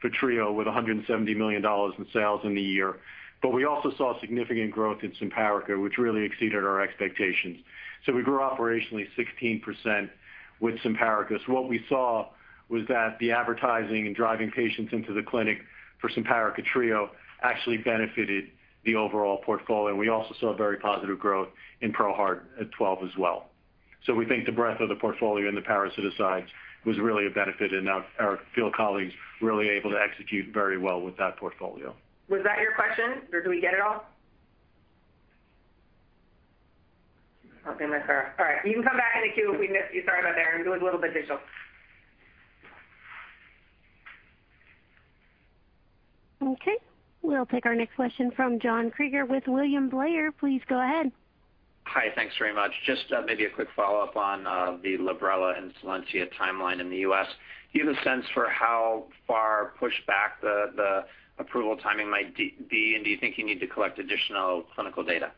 for Trio with $170 million in sales in the year, but we also saw significant growth in Simparica, which really exceeded our expectations. We grew operationally 16% with Simparica. What we saw was that the advertising and driving patients into the clinic for Simparica Trio actually benefited the overall portfolio. We also saw very positive growth in ProHeart 12 as well. We think the breadth of the portfolio in the parasiticides was really a benefit, and our field colleagues were really able to execute very well with that portfolio. Was that your question, or did we get it all? I think that's her. All right. You can come back in the queue if we missed you. Sorry about that, Erin. Doing a little bit digital. Okay. We'll take our next question from John Kreger with William Blair. Please go ahead. Hi. Thanks very much. Just maybe a quick follow-up on the Librela and Solensia timeline in the U.S. Do you have a sense for how far pushed back the approval timing might be, and do you think you need to collect additional clinical data?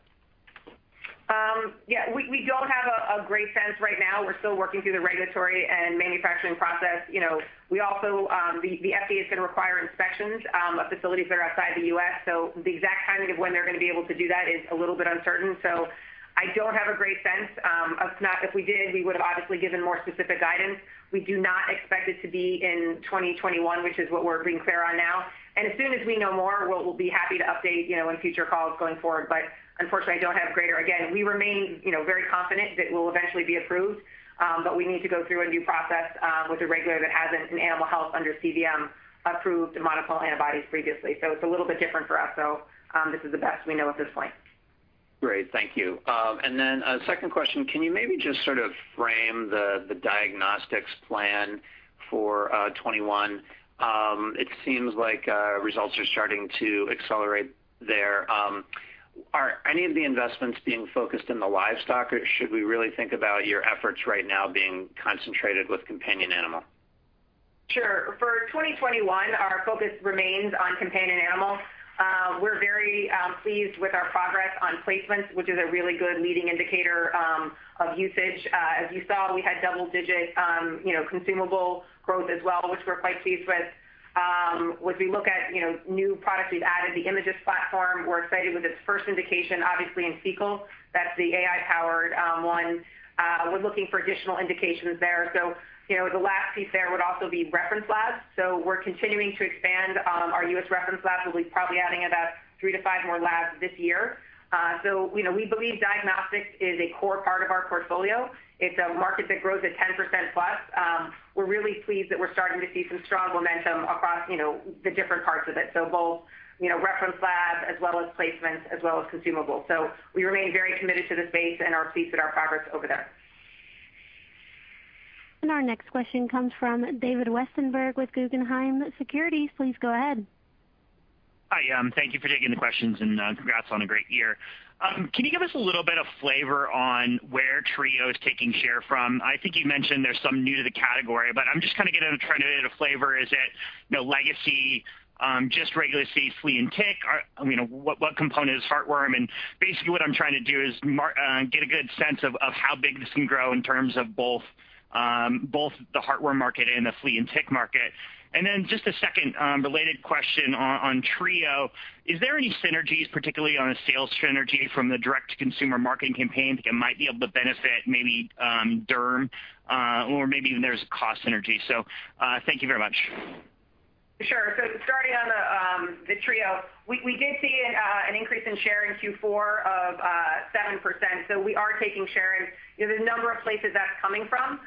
Yeah. We don't have a great sense right now. We're still working through the regulatory and manufacturing process. You know, we also, the FDA is gonna require inspections of facilities that are outside the U.S., so the exact timing of when they're gonna be able to do that is a little bit uncertain. I don't have a great sense. If we did, we would've obviously given more specific guidance. We do not expect it to be in 2021, which is what we're being clear on now. As soon as we know more, we'll be happy to update, you know, on future calls going forward. Unfortunately, I don't have greater. Again, we remain, you know, very confident that we'll eventually be approved, but we need to go through a new process with a regulator that hasn't, in animal health, under CVM, approved monoclonal antibodies previously. It's a little bit different for us, so, this is the best we know at this point. Great. Thank you. A second question. Can you maybe just sort of frame the diagnostics plan for 2021? It seems like results are starting to accelerate there. Are any of the investments being focused in the livestock, or should we really think about your efforts right now being concentrated with companion animal? Sure. For 2021, our focus remains on companion animals. We're very pleased with our progress on placements, which is a really good leading indicator of usage. As you saw, we had double-digit, you know, consumable growth as well, which we're quite pleased with. As we look at, you know, new products we've added, the Imagyst platform, we're excited with its first indication, obviously, in SEQUIVITY. That's the AI-powered one. We're looking for additional indications there. You know, the last piece there would also be reference labs, so we're continuing to expand our U.S. reference labs. We'll be probably adding about three to five more labs this year. You know, we believe diagnostics is a core part of our portfolio. It's a market that grows at 10%+. We're really pleased that we're starting to see some strong momentum across, you know, the different parts of it, so both, you know, reference labs, as well as placements, as well as consumables. We remain very committed to the space and are pleased with our progress over there. Our next question comes from David Westenberg with Guggenheim Securities. Please go ahead. Hi, thank you for taking the questions. Congrats on a great year. Can you give us a little bit of flavor on where Trio is taking share from? I think you mentioned there's some new to the category, I'm just trying to get a flavor. Is it, you know, legacy, just regular OTC flea and tick? I mean, what component is heartworm? Basically, what I'm trying to do is get a good sense of how big this can grow in terms of both the heartworm market and the flea and tick market. Then just a second related question on Trio. Is there any synergies, particularly on a sales synergy from the direct-to-consumer marketing campaign that might be able to benefit maybe Derm, or maybe even there's cost synergy? Thank you very much. Sure. Starting on the Trio, we did see an increase in share in Q4 of 7%, so we are taking share, and there's a number of places that's coming from.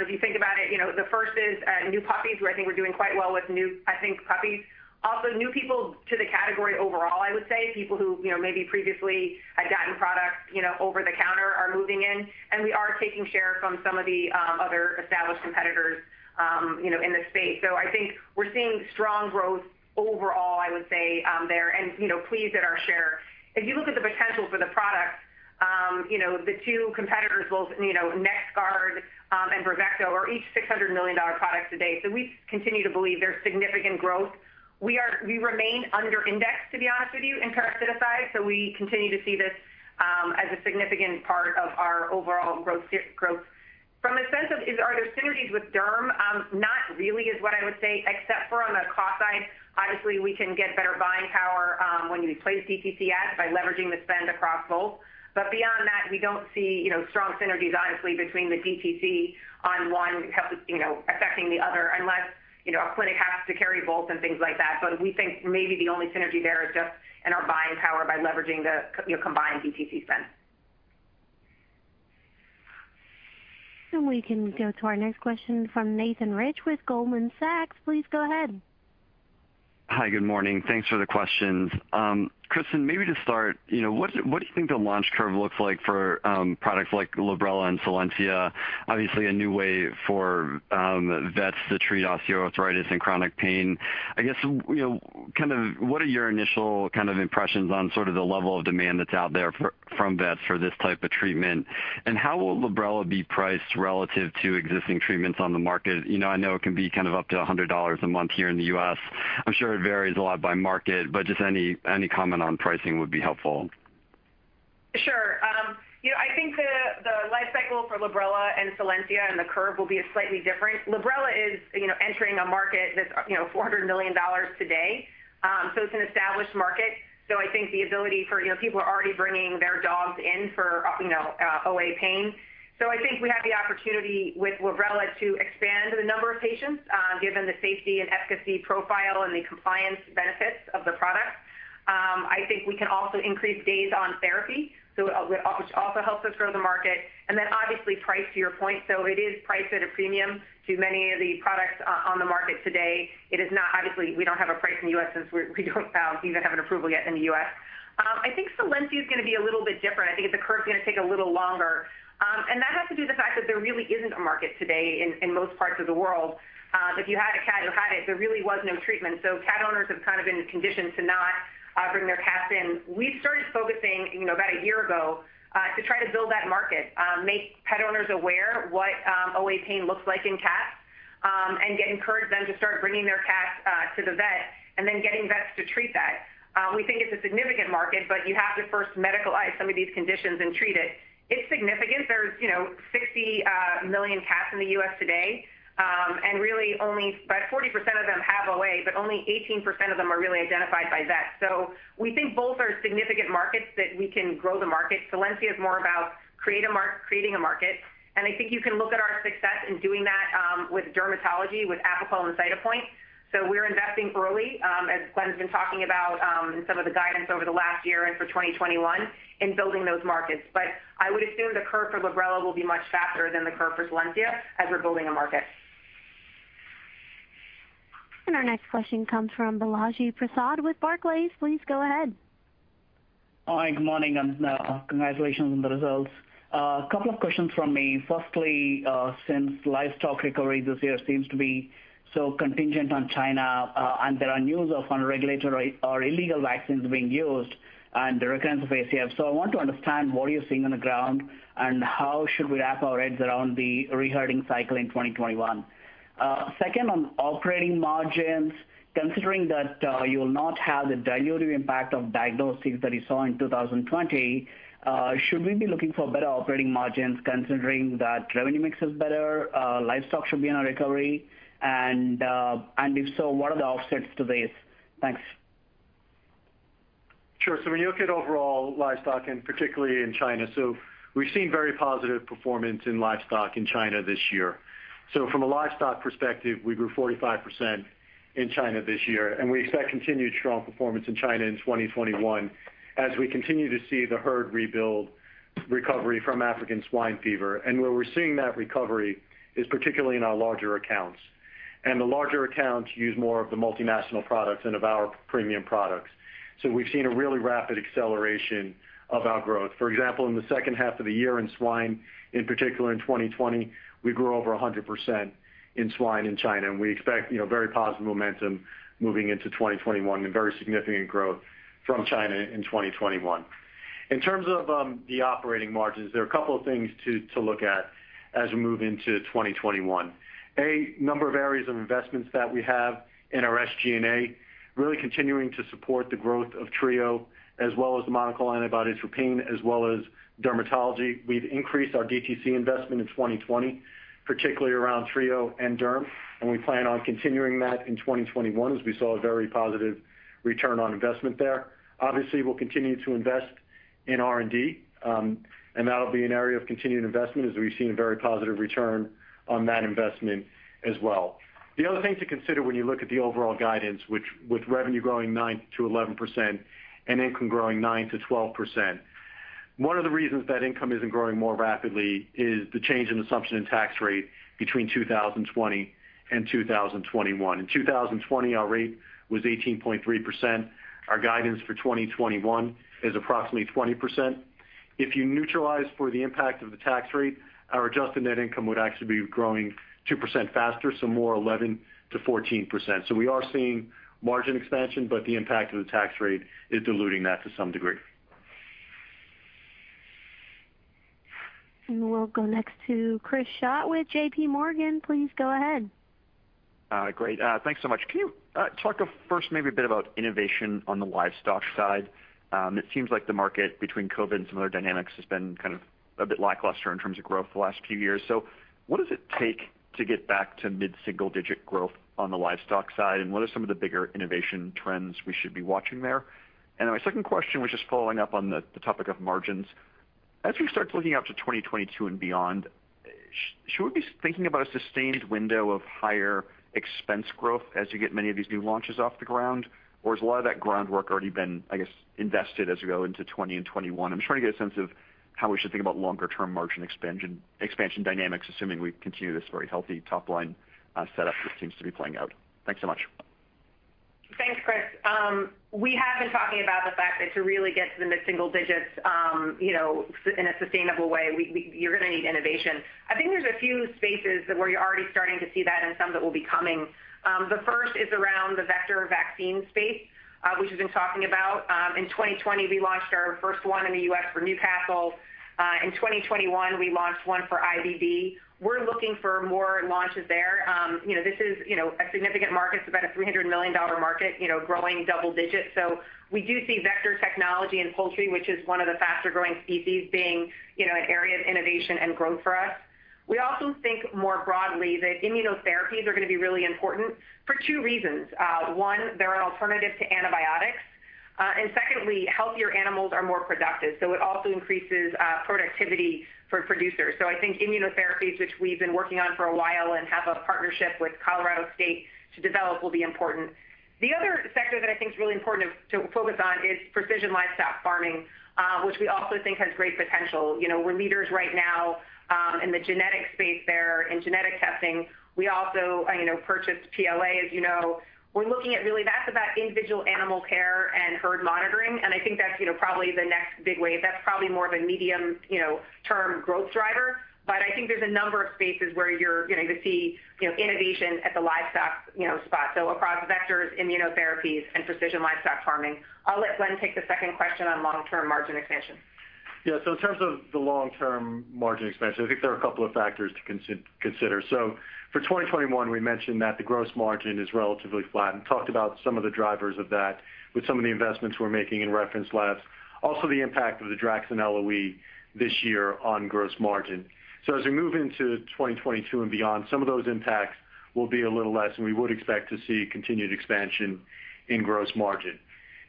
If you think about it, you know, the first is new puppies, where I think we're doing quite well with new puppies. Also, new people to the category overall, I would say, people who, you know, maybe previously had gotten product, you know, over the counter are moving in, and we are taking share from some of the other established competitors, you know, in the space. I think we're seeing strong growth overall, I would say, there and, you know, pleased at our share. If you look at the potential for the product, the two competitors, both NexGard and Bravecto are each $600 million products a day. We continue to believe there's significant growth. We remain under indexed, to be honest with you, in parasiticides, so we continue to see this as a significant part of our overall growth. From a sense of is, are there synergies with Derm? Not really is what I would say, except for on the cost side. Obviously, we can get better buying power, when you place DTC ads by leveraging the spend across both. Beyond that, we don't see strong synergies, honestly, between the DTC on one help affecting the other unless a clinic has to carry both and things like that. We think maybe the only synergy there is just in our buying power by leveraging the you know, combined DTC spend. We can go to our next question from Nathan Rich with Goldman Sachs. Please go ahead. Hi, good morning. Thanks for the questions. Kristin, maybe to start, you know, what do you think the launch curve looks like for products like Librela and Solensia? Obviously, a new way for vets to treat osteoarthritis and chronic pain. I guess, you know, kind of what are your initial kind of impressions on sort of the level of demand that's out there from vets for this type of treatment? How will Librela be priced relative to existing treatments on the market? You know, I know it can be kind of up to $100 a month here in the U.S. I'm sure it varies a lot by market, but just any comment on pricing would be helpful. Sure. you know, I think the life cycle for Librela and Solensia and the curve will be slightly different. Librela is, you know, entering a market that's, you know, $400 million today. It's an established market. I think the ability for, you know, people are already bringing their dogs in for, you know, OA pain. I think we have the opportunity with Librela to expand the number of patients, given the safety and efficacy profile and the compliance benefits of the product. I think we can also increase days on therapy, which also helps us grow the market. Obviously price to your point. It is priced at a premium to many of the products on the market today. Obviously, we don't have a price in the U.S. since we don't even have an approval yet in the U.S. I think Solensia is gonna be a little bit different. I think the curve is gonna take a little longer. That has to do with the fact that there really isn't a market today in most parts of the world. If you had a cat who had it, there really was no treatment. Cat owners have kind of been conditioned to not bring their cats in. We've started focusing, you know, about one year ago, to try to build that market, make pet owners aware what OA pain looks like in cats, and encourage them to start bringing their cats to the vet and then getting vets to treat that. We think it's a significant market, but you have to first medicalize some of these conditions and treat it. It's significant. There's, you know, 60 million cats in the U.S. today, and really only about 40% of them have OA, but only 18% of them are really identified by vets. We think both are significant markets that we can grow the market. Solensia is more about creating a market, and I think you can look at our success in doing that, with dermatology, with Apoquel and Cytopoint. We're investing early, as Glenn's been talking about, in some of the guidance over the last year and for 2021 in building those markets. I would assume the curve for Librela will be much faster than the curve for Solensia as we're building a market. Our next question comes from Balaji Prasad with Barclays. Please go ahead. Hi, good morning, and congratulations on the results. A couple of questions from me. Firstly, since livestock recovery this year seems to be so contingent on China, and there are news of unregulated or illegal vaccines being used and the recurrence of ASF. I want to understand what are you seeing on the ground, and how should we wrap our heads around the reherding cycle in 2021. Second, on operating margins, considering that you will not have the dilutive impact of diagnostics that you saw in 2020, should we be looking for better operating margins considering that revenue mix is better, livestock should be in a recovery? If so, what are the offsets to this? Thanks. Sure. When you look at overall livestock and particularly in China, we've seen very positive performance in livestock in China this year. From a livestock perspective, we grew 45% in China this year, and we expect continued strong performance in China in 2021 as we continue to see the herd rebuild recovery from African swine fever. Where we're seeing that recovery is particularly in our larger accounts. The larger accounts use more of the multinational products and of our premium products. We've seen a really rapid acceleration of our growth. For example, in the second half of the year in swine, in particular in 2020, we grew over 100% in swine in China, and we expect, you know, very positive momentum moving into 2021 and very significant growth from China in 2021. In terms of the operating margins, there are a couple of things to look at as we move into 2021. A number of areas of investments that we have in our SG&A really continuing to support the growth of Trio as well as the monoclonal antibodies for pain as well as dermatology. We've increased our DTC investment in 2020, particularly around Trio and Derm, and we plan on continuing that in 2021 as we saw a very positive return on investment there. Obviously, we'll continue to invest in R&D, and that'll be an area of continued investment as we've seen a very positive return on that investment as well. The other thing to consider when you look at the overall guidance, which with revenue growing 9%-11% and income growing 9%-12%, one of the reasons that income isn't growing more rapidly is the change in assumption in tax rate between 2020 and 2021. In 2020, our rate was 18.3%. Our guidance for 2021 is approximately 20%. If you neutralize for the impact of the tax rate, our adjusted net income would actually be growing 2% faster, more 11%-14%. We are seeing margin expansion, but the impact of the tax rate is diluting that to some degree. We'll go next to Chris Schott with JPMorgan. Please go ahead. Great. Thanks so much. Can you talk first maybe a bit about innovation on the livestock side? It seems like the market between COVID and some other dynamics has been kind of a bit lackluster in terms of growth the last few years. What does it take to get back to mid-single-digit growth on the livestock side? What are some of the bigger innovation trends we should be watching there? My second question was just following up on the topic of margins. As we start looking out to 2022 and beyond, should we be thinking about a sustained window of higher expense growth as you get many of these new launches off the ground? Or has a lot of that groundwork already been, I guess, invested as we go into 2020 and 2021? I'm trying to get a sense of how we should think about longer-term margin expansion dynamics, assuming we continue this very healthy top-line setup that seems to be playing out. Thanks so much. Thanks, Chris. We have been talking about the fact that to really get to the mid-single digits, you know, in a sustainable way, we you're gonna need innovation. I think there's a few spaces that we're already starting to see that and some that will be coming. The first is around the vector vaccine space, which we've been talking about. In 2020, we launched our first one in the U.S. for Newcastle disease. In 2021, we launched one for IBD. We're looking for more launches there. You know, this is, you know, a significant market. It's about a $300 million market, you know, growing double digits. We do see vector technology in poultry, which is one of the faster-growing species, being, you know, an area of innovation and growth for us. We also think more broadly that immunotherapies are gonna be really important for two reasons. One, they're an alternative to antibiotics. Secondly, healthier animals are more productive. It also increases productivity for producers. I think immunotherapies, which we've been working on for a while and have a partnership with Colorado State to develop, will be important. The other sector that I think is really important to focus on is precision livestock farming, which we also think has great potential. You know, we're leaders right now in the genetic space there, in genetic testing. We also, you know, purchased PLA, as you know. We're looking at really that's about individual animal care and herd monitoring, and I think that's, you know, probably the next big wave. That's probably more of a medium, you know, term growth driver. I think there's a number of spaces where you're going to see, you know, innovation at the livestock, you know, spot, so across vectors, immunotherapies, and precision livestock farming. I'll let Glenn take the second question on long-term margin expansion. Yeah. In terms of the long-term margin expansion, I think there are a couple of factors to consider. For 2021, we mentioned that the gross margin is relatively flat and talked about some of the drivers of that with some of the investments we're making in reference labs. Also, the impact of the Draxxin LOE this year on gross margin. As we move into 2022 and beyond, some of those impacts will be a little less, and we would expect to see continued expansion in gross margin.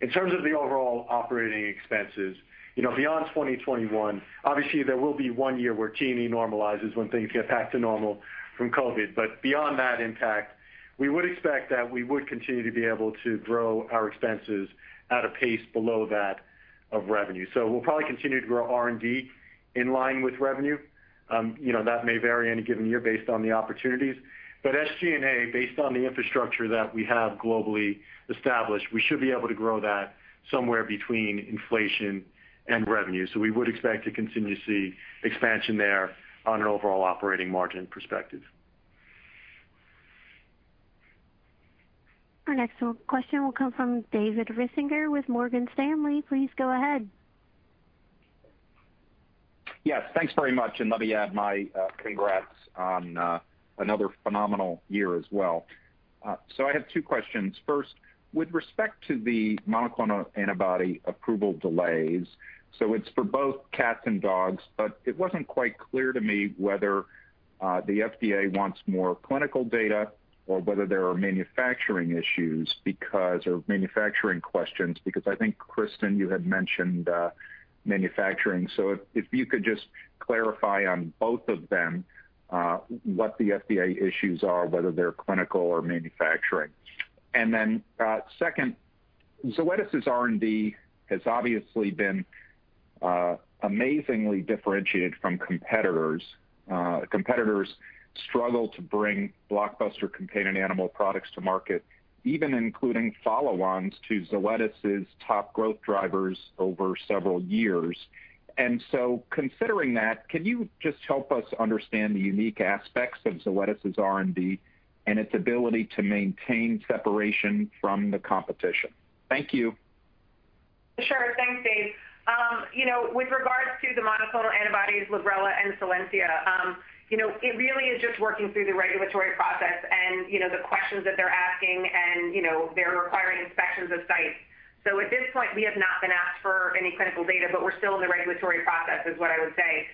In terms of the overall operating expenses, you know, beyond 2021, obviously, there will be one year where T&E normalizes when things get back to normal from COVID. Beyond that impact, we would expect that we would continue to be able to grow our expenses at a pace below that of revenue. We'll probably continue to grow R&D in line with revenue. You know, that may vary any given year based on the opportunities. SG&A, based on the infrastructure that we have globally established, we should be able to grow that somewhere between inflation and revenue. We would expect to continue to see expansion there on an overall operating margin perspective. Our next question will come from David Risinger with Morgan Stanley. Please go ahead. Yes, thanks very much. Let me add my congrats on another phenomenal year as well. I have two questions. First, with respect to the monoclonal antibody approval delays, it's for both cats and dogs, it wasn't quite clear to me whether the FDA wants more clinical data or whether there are manufacturing issues or manufacturing questions, because I think, Kristin, you had mentioned manufacturing. If you could just clarify on both of them, what the FDA issues are, whether they're clinical or manufacturing. Second, Zoetis' R&D has obviously been amazingly differentiated from competitors. Competitors struggle to bring blockbuster companion animal products to market, even including follow-ons to Zoetis' top growth drivers over several years. Considering that, can you just help us understand the unique aspects of Zoetis' R&D and its ability to maintain separation from the competition? Thank you. Sure. Thanks, Dave. You know, with regards to the monoclonal antibodies, Librela and Solensia, you know, it really is just working through the regulatory process and, you know, the questions that they're asking and, you know, they're requiring inspections of sites. At this point, we have not been asked for any clinical data, but we're still in the regulatory process, is what I would say.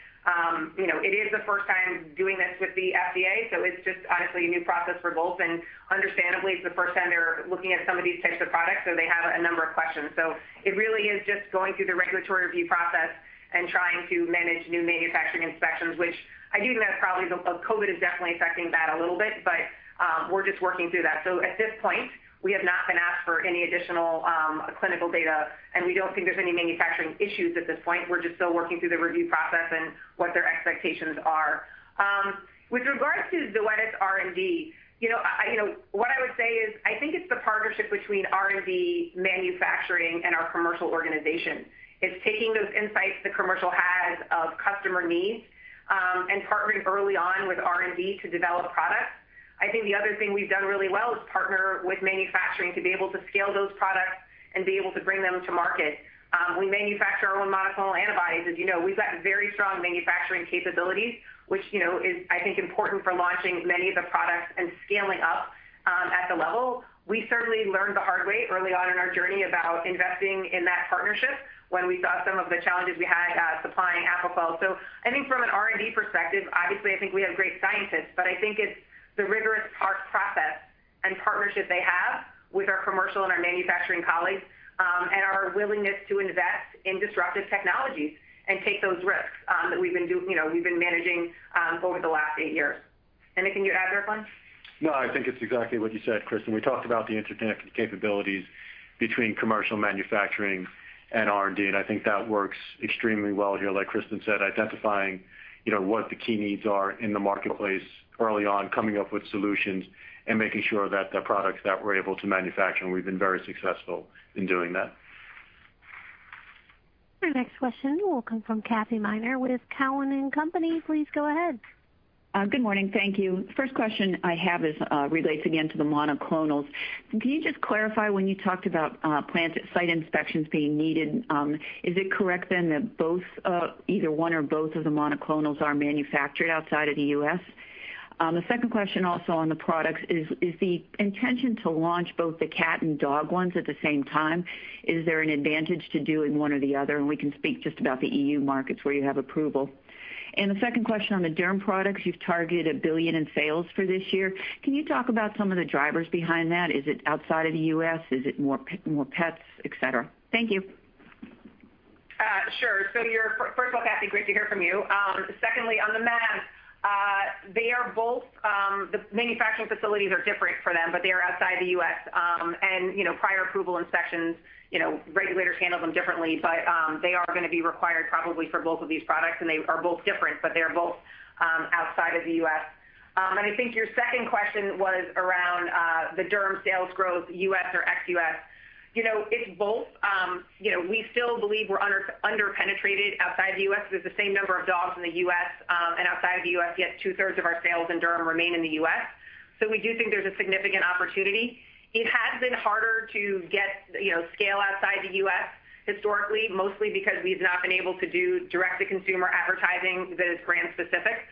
You know, it is the first time doing this with the FDA, so it's just honestly a new process for both. Understandably, it's the first time they're looking at some of these types of products, so they have a number of questions. It really is just going through the regulatory review process and trying to manage new manufacturing inspections, which I do think that's probably the, COVID is definitely affecting that a little bit, but we're just working through that. At this point, we have not been asked for any additional clinical data, and we don't think there's any manufacturing issues at this point. We're just still working through the review process and what their expectations are. With regards to Zoetis R&D, you know, what I would say is, I think it's the partnership between R&D, manufacturing, and our commercial organization. It's taking those insights the commercial has of customer needs, and partnering early on with R&D to develop products. I think the other thing we've done really well is partner with manufacturing to be able to scale those products and be able to bring them to market. We manufacture our own monoclonal antibodies. As you know, we've got very strong manufacturing capabilities, which, you know, is I think important for launching many of the products and scaling up at the level. We certainly learned the hard way early on in our journey about investing in that partnership when we saw some of the challenges we had supplying Apoquel. I think from an R&D perspective, obviously, I think we have great scientists, but I think it's the rigorous process and partnership they have with our commercial and our manufacturing colleagues, and our willingness to invest in disruptive technologies and take those risks, that we've been you know, managing over the last eight years. Anything to add there, Glenn? No, I think it's exactly what you said, Kristin. We talked about the interconnected capabilities between commercial manufacturing and R&D, and I think that works extremely well here. Like Kristin said, identifying, you know, what the key needs are in the marketplace early on, coming up with solutions, and making sure that the products that we're able to manufacture, and we've been very successful in doing that. Our next question will come from Kathy Miner with Cowen and Company. Please go ahead. Good morning. Thank you. First question I have is, relates again to the monoclonals. Can you just clarify when you talked about, plant site inspections being needed, is it correct then that both, either one or both of the monoclonals are manufactured outside of the U.S.? The second question also on the products is the intention to launch both the cat and dog ones at the same time? Is there an advantage to doing one or the other? We can speak just about the EU markets where you have approval. The second question on the derm products, you've targeted $1 billion in sales for this year. Can you talk about some of the drivers behind that? Is it outside of the U.S.? Is it more pets, etc? Thank you. First of all, Kathy, great to hear from you. Secondly, on the mAbs, they are both, the manufacturing facilities are different for them, but they are outside the U.S. And, you know, prior approval inspections, you know, regulators handle them differently. They are gonna be required probably for both of these products, and they are both different, but they are both, outside of the U.S. And I think your second question was around the derm sales growth, U.S. or ex-U.S. You know, it's both. You know, we still believe we're under-penetrated outside the U.S. There's the same number of dogs in the U.S., and outside the U.S., yet two third of our sales in derm remain in the U.S. We do think there's a significant opportunity. It has been harder to get, you know, scale outside the U.S. historically, mostly because we've not been able to do direct-to-consumer advertising that is brand specific.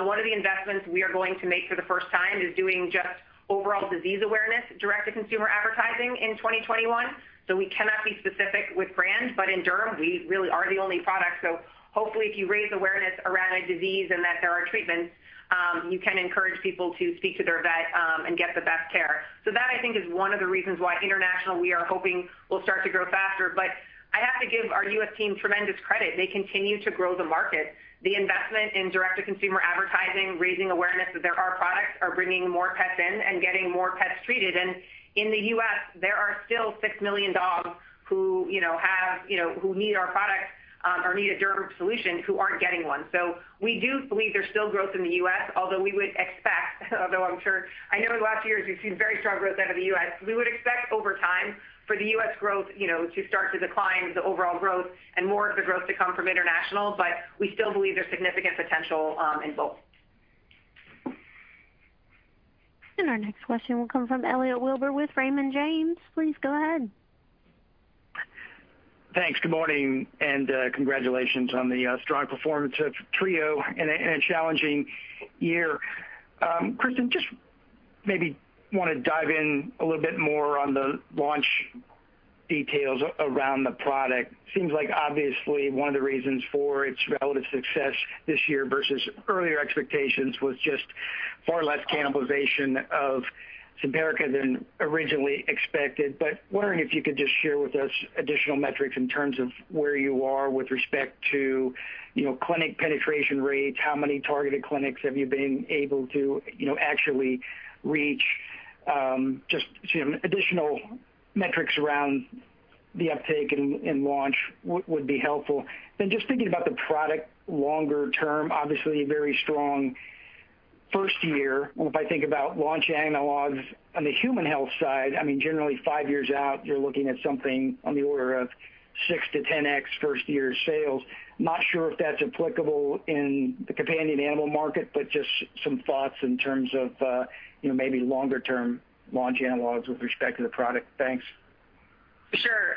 One of the investments we are going to make for the first time is doing just overall disease awareness direct-to-consumer advertising in 2021. We cannot be specific with brands, but in derm we really are the only product. Hopefully, if you raise awareness around a disease and that there are treatments, you can encourage people to speak to their vet and get the best care. That, I think, is one of the reasons why international, we are hoping will start to grow faster. I have to give our U.S. team tremendous credit. They continue to grow the market. The investment in direct-to-consumer advertising, raising awareness that there are products are bringing more pets in and getting more pets treated. In the U.S., there are still 6 million dogs who, you know, need our products, or need a derm solution who aren't getting one. We do believe there's still growth in the U.S., although we would expect, although I'm sure I know in the last years we've seen very strong growth out of the U.S. We would expect over time for the U.S. growth, you know, to start to decline the overall growth and more of the growth to come from international, but we still believe there's significant potential in both. Our next question will come from Elliot Wilbur with Raymond James. Please go ahead. Thanks. Good morning and congratulations on the strong performance of Simparica Trio in a challenging year. Kristin Peck, just maybe want to dive in a little bit more on the launch details around the product. Seems like obviously one of the reasons for its relative success this year versus earlier expectations was just far less cannibalization of Simparica than originally expected. Wondering if you could just share with us additional metrics in terms of where you are with respect to, you know, clinic penetration rates, how many targeted clinics have you been able to, you know, actually reach. Just some additional metrics around the uptake and launch would be helpful. Just thinking about the product longer term, obviously a very strong first year. If I think about launch analogs on the human health side, I mean, generally five years out, you're looking at something on the order of 6x-10x first year sales. Not sure if that's applicable in the companion animal market, but just some thoughts in terms of, you know, maybe longer term launch analogs with respect to the product. Thanks. Sure.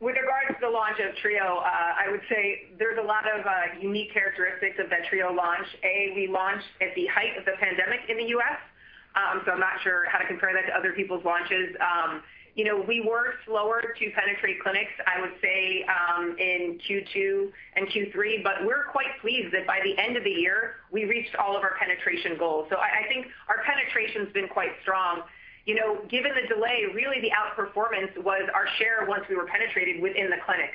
With regards to the launch of Trio, I would say there's a lot of unique characteristics of that Trio launch. We launched at the height of the pandemic in the U.S., so I'm not sure how to compare that to other people's launches. You know, we were slower to penetrate clinics, I would say, in Q2 and Q3, but we're quite pleased that by the end of the year we reached all of our penetration goals. I think our penetration's been quite strong. You know, given the delay, really the outperformance was our share once we were penetrated within the clinic.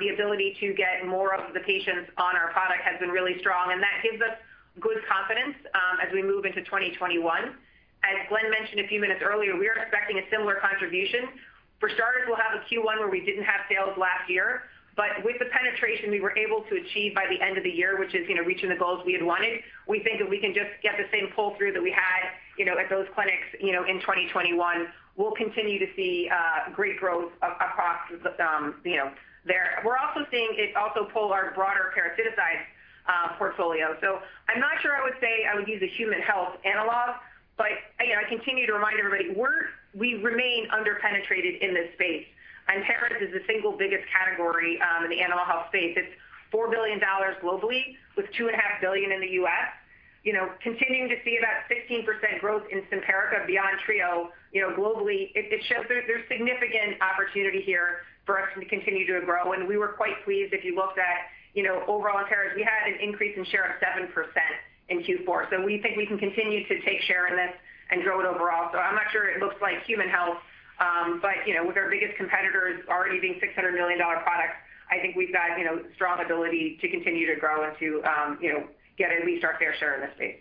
The ability to get more of the patients on our product has been really strong, and that gives us good confidence as we move into 2021. As Glenn mentioned a few minutes earlier, we are expecting a similar contribution. For starters, we'll have a Q1 where we didn't have sales last year. With the penetration we were able to achieve by the end of the year, which is, you know, reaching the goals we had wanted, we think if we can just get the same pull-through that we had, you know, at those clinics, you know, in 2021, we'll continue to see great growth across the, you know, there. We're also seeing it also pull our broader parasiticide portfolio. I'm not sure I would say I would use a human health analog, but again, I continue to remind everybody we remain under-penetrated in this space, and parasite is the single biggest category in the animal health space. It's $4 billion globally with $2.5 billion in the U.S. You know, continuing to see about 16% growth in Simparica beyond Trio, you know, globally, it shows there's significant opportunity here for us to continue to grow. We were quite pleased if you looked at, you know, overall in parasite, we had an increase in share of 7% in Q4. We think we can continue to take share in this and grow it overall. I'm not sure it looks like human health, but, you know, with our biggest competitors already being $600 million products, I think we've got, you know, strong ability to continue to grow and to, you know, get at least our fair share in this space.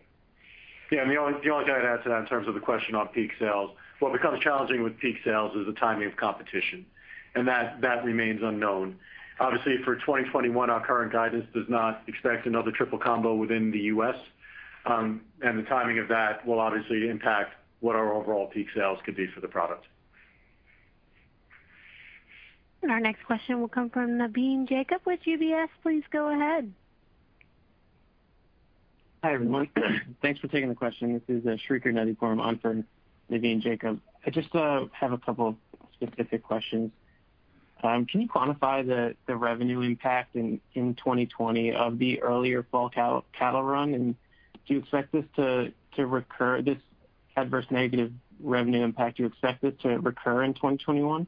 Yeah. The only thing I'd add to that in terms of the question on peak sales, what becomes challenging with peak sales is the timing of competition, and that remains unknown. Obviously, for 2021, our current guidance does not expect another triple combo within the U.S., and the timing of that will obviously impact what our overall peak sales could be for the product. Our next question will come from Navin Jacob with UBS. Please go ahead. Hi, everyone. Thanks for taking the question. This is Shrikar Nadiger on for Navin Jacob. I just have two specific questions. Can you quantify the revenue impact in 2020 of the earlier fall cattle run? Do you expect this adverse negative revenue impact to recur in 2021?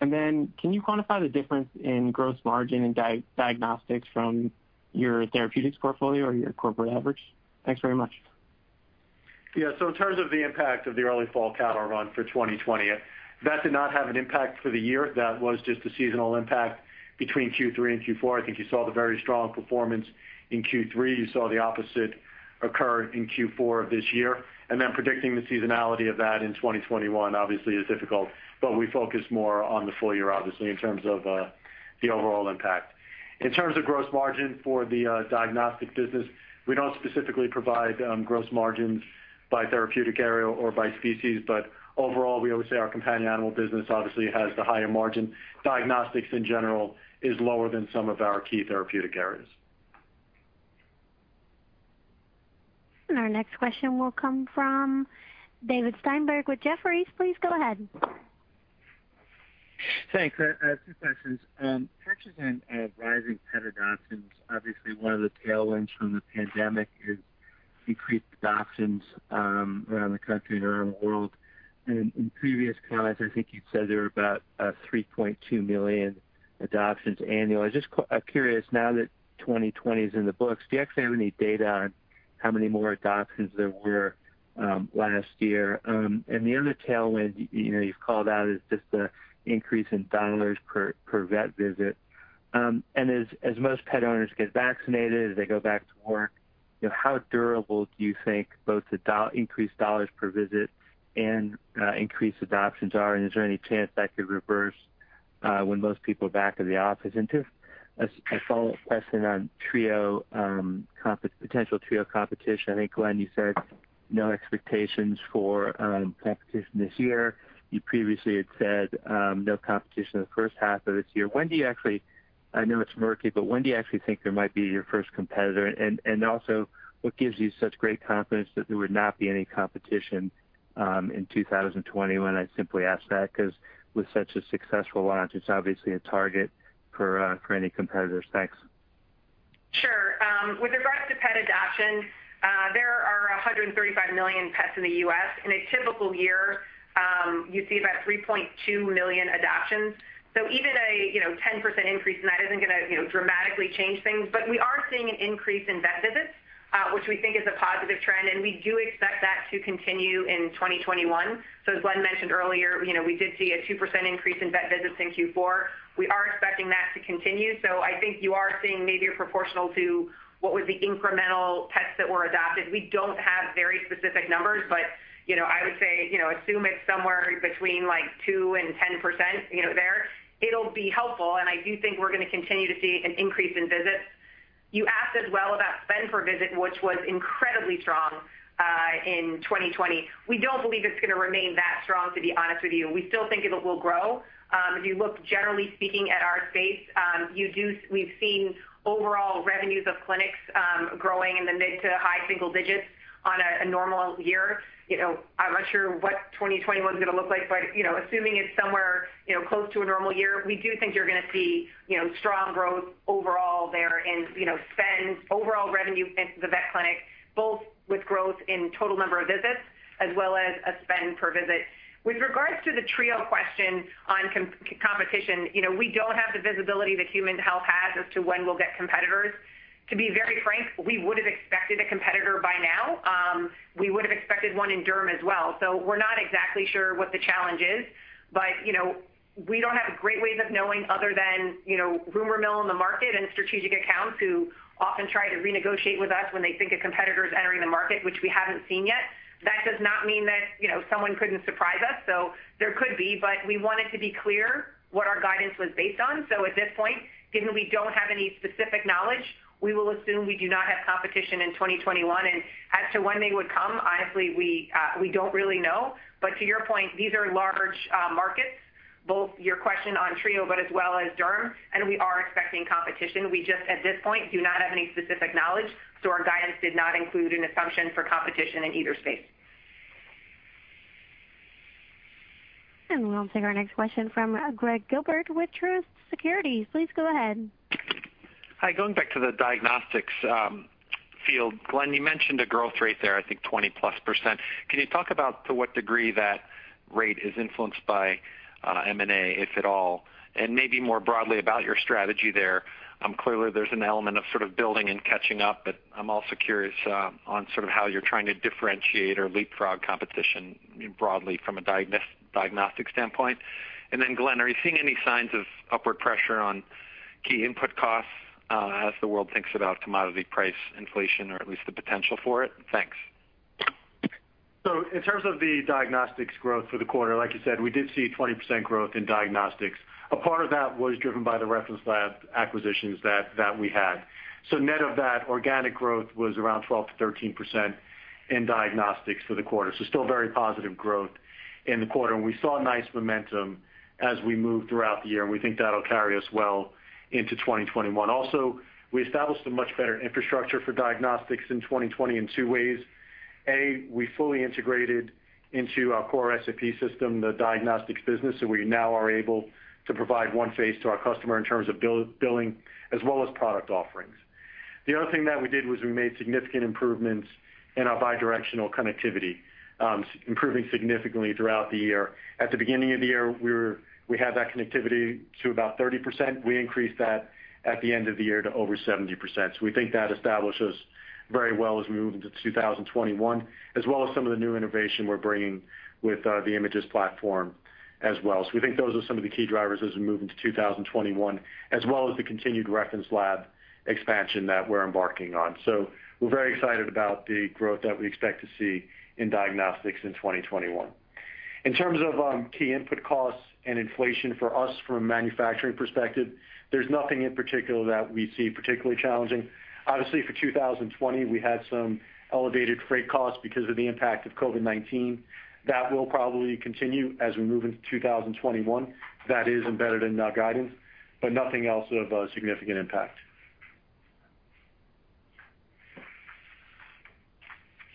Can you quantify the difference in gross margin in diagnostics from your therapeutics portfolio or your corporate average? Thanks very much. Yeah. In terms of the impact of the early fall cattle run for 2020, that did not have an impact for the year. That was just a seasonal impact between Q3 and Q4. I think you saw the very strong performance in Q3. You saw the opposite occur in Q4 of this year. Predicting the seasonality of that in 2021 obviously is difficult, but we focus more on the full year, obviously, in terms of the overall impact. In terms of gross margin for the diagnostic business, we don't specifically provide gross margins by therapeutic area or by species. Overall, we always say our companion animal business obviously has the higher margin. Diagnostics in general is lower than some of our key therapeutic areas. Our next question will come from David Steinberg with Jefferies. Please go ahead. Thanks. Two questions. Purchase and rising pet adoptions, obviously one of the tailwinds from the pandemic is increased adoptions around the country and around the world. In previous calls, I think you've said there were about 3.2 million adoptions annually. Just curious, now that 2020 is in the books, do you actually have any data on how many more adoptions there were last year? The other tailwind, you know, you've called out is just the increase in dollars per vet visit. As most pet owners get vaccinated, as they go back to work, you know, how durable do you think both the increased dollars per visit and increased adoptions are? Is there any chance that could reverse when most people are back in the office? Just a follow-up question on Trio, potential Trio competition. I think, Glenn, you said no expectations for competition this year. You previously had said no competition in the first half of this year. When do you actually, I know it's murky, but when do you actually think there might be your first competitor? Also, what gives you such great confidence that there would not be any competition in 2021? I simply ask that because with such a successful launch, it's obviously a target for any competitors. Thanks. Sure. With regards to pet adoption, there are 135 million pets in the U.S. In a typical year, you see about 3.2 million adoptions. Even a, you know, 10% increase in that isn't gonna, you know, dramatically change things. We are seeing an increase in vet visits, which we think is a positive trend, and we do expect that to continue in 2021. As Glenn mentioned earlier, you know, we did see a 2% increase in vet visits in Q4. We are expecting that to continue. I think you are seeing maybe a proportional to what was the incremental pets that were adopted. We don't have very specific numbers, but, you know, I would say, you know, assume it's somewhere between, like, 2%-10%, you know, there. It'll be helpful, and I do think we're gonna continue to see an increase in visits. You asked as well about spend per visit, which was incredibly strong in 2020. We don't believe it's gonna remain that strong, to be honest with you. We still think it will grow. If you look generally speaking at our space, we've seen overall revenues of clinics growing in the mid to high single digits on a normal year. You know, I'm not sure what 2021's gonna look like, assuming it's somewhere, you know, close to a normal year, we do think you're gonna see, you know, strong growth overall there in, you know, spend, overall revenue into the vet clinic, both with growth in total number of visits as well as a spend per visit. With regards to the Trio question on competition, you know, we don't have the visibility that human health has as to when we'll get competitors. To be very frank, we would have expected a competitor by now. We would have expected one in Derm as well. We're not exactly sure what the challenge is. You know, we don't have great ways of knowing other than, you know, rumor mill in the market and strategic accounts who often try to renegotiate with us when they think a competitor is entering the market, which we haven't seen yet. That does not mean that, you know, someone couldn't surprise us. There could be, but we wanted to be clear what our guidance was based on. At this point, given we don't have any specific knowledge, we will assume we do not have competition in 2021. As to when they would come, honestly, we don't really know. To your point, these are large markets, both your question on Trio, but as well as Derm, and we are expecting competition. We just, at this point, do not have any specific knowledge. Our guidance did not include an assumption for competition in either space. We'll take our next question from, Gregg Gilbert with Truist Securities. Please go ahead. Hi. Going back to the diagnostics field, Glenn, you mentioned a growth rate there, I think 20%+. Can you talk about to what degree that rate is influenced by M&A, if at all? Maybe more broadly about your strategy there. Clearly there's an element of sort of building and catching up, but I'm also curious on sort of how you're trying to differentiate or leapfrog competition broadly from a diagnostic standpoint. Then, Glenn, are you seeing any signs of upward pressure on key input costs as the world thinks about commodity price inflation or at least the potential for it? Thanks. In terms of the diagnostics growth for the quarter, like you said, we did see 20% growth in diagnostics. A part of that was driven by the reference lab acquisitions that we had. Net of that, organic growth was around 12%-13% in diagnostics for the quarter. Still very positive growth in the quarter. We saw nice momentum as we moved throughout the year, and we think that'll carry us well into 2021. Also, we established a much better infrastructure for diagnostics in 2020 in two ways. A, we fully integrated into our core SAP system, the diagnostics business, so we now are able to provide one phase to our customer in terms of billing as well as product offerings. The other thing that we did was we made significant improvements in our bi-directional connectivity, improving significantly throughout the year. At the beginning of the year, we had that connectivity to about 30%. We increased that at the end of the year to over 70%. We think that establishes very well as we move into 2021, as well as some of the new innovation we're bringing with the Imagyst platform as well. We think those are some of the key drivers as we move into 2021, as well as the continued reference lab expansion that we're embarking on. We're very excited about the growth that we expect to see in diagnostics in 2021. In terms of key input costs and inflation for us from a manufacturing perspective, there's nothing in particular that we see particularly challenging. Obviously, for 2020, we had some elevated freight costs because of the impact of COVID-19. That will probably continue as we move into 2021. That is embedded in our guidance, but nothing else of a significant impact.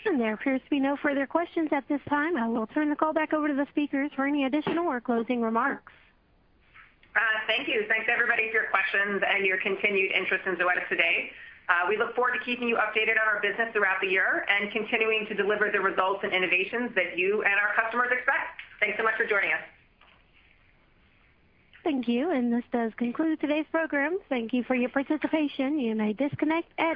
There appears to be no further questions at this time. I will turn the call back over to the speakers for any additional or closing remarks. Thank you. Thanks, everybody, for your questions and your continued interest in Zoetis today. We look forward to keeping you updated on our business throughout the year and continuing to deliver the results and innovations that you and our customers expect. Thanks so much for joining us. Thank you. This does conclude today's program. Thank you for your participation. You may disconnect at any time.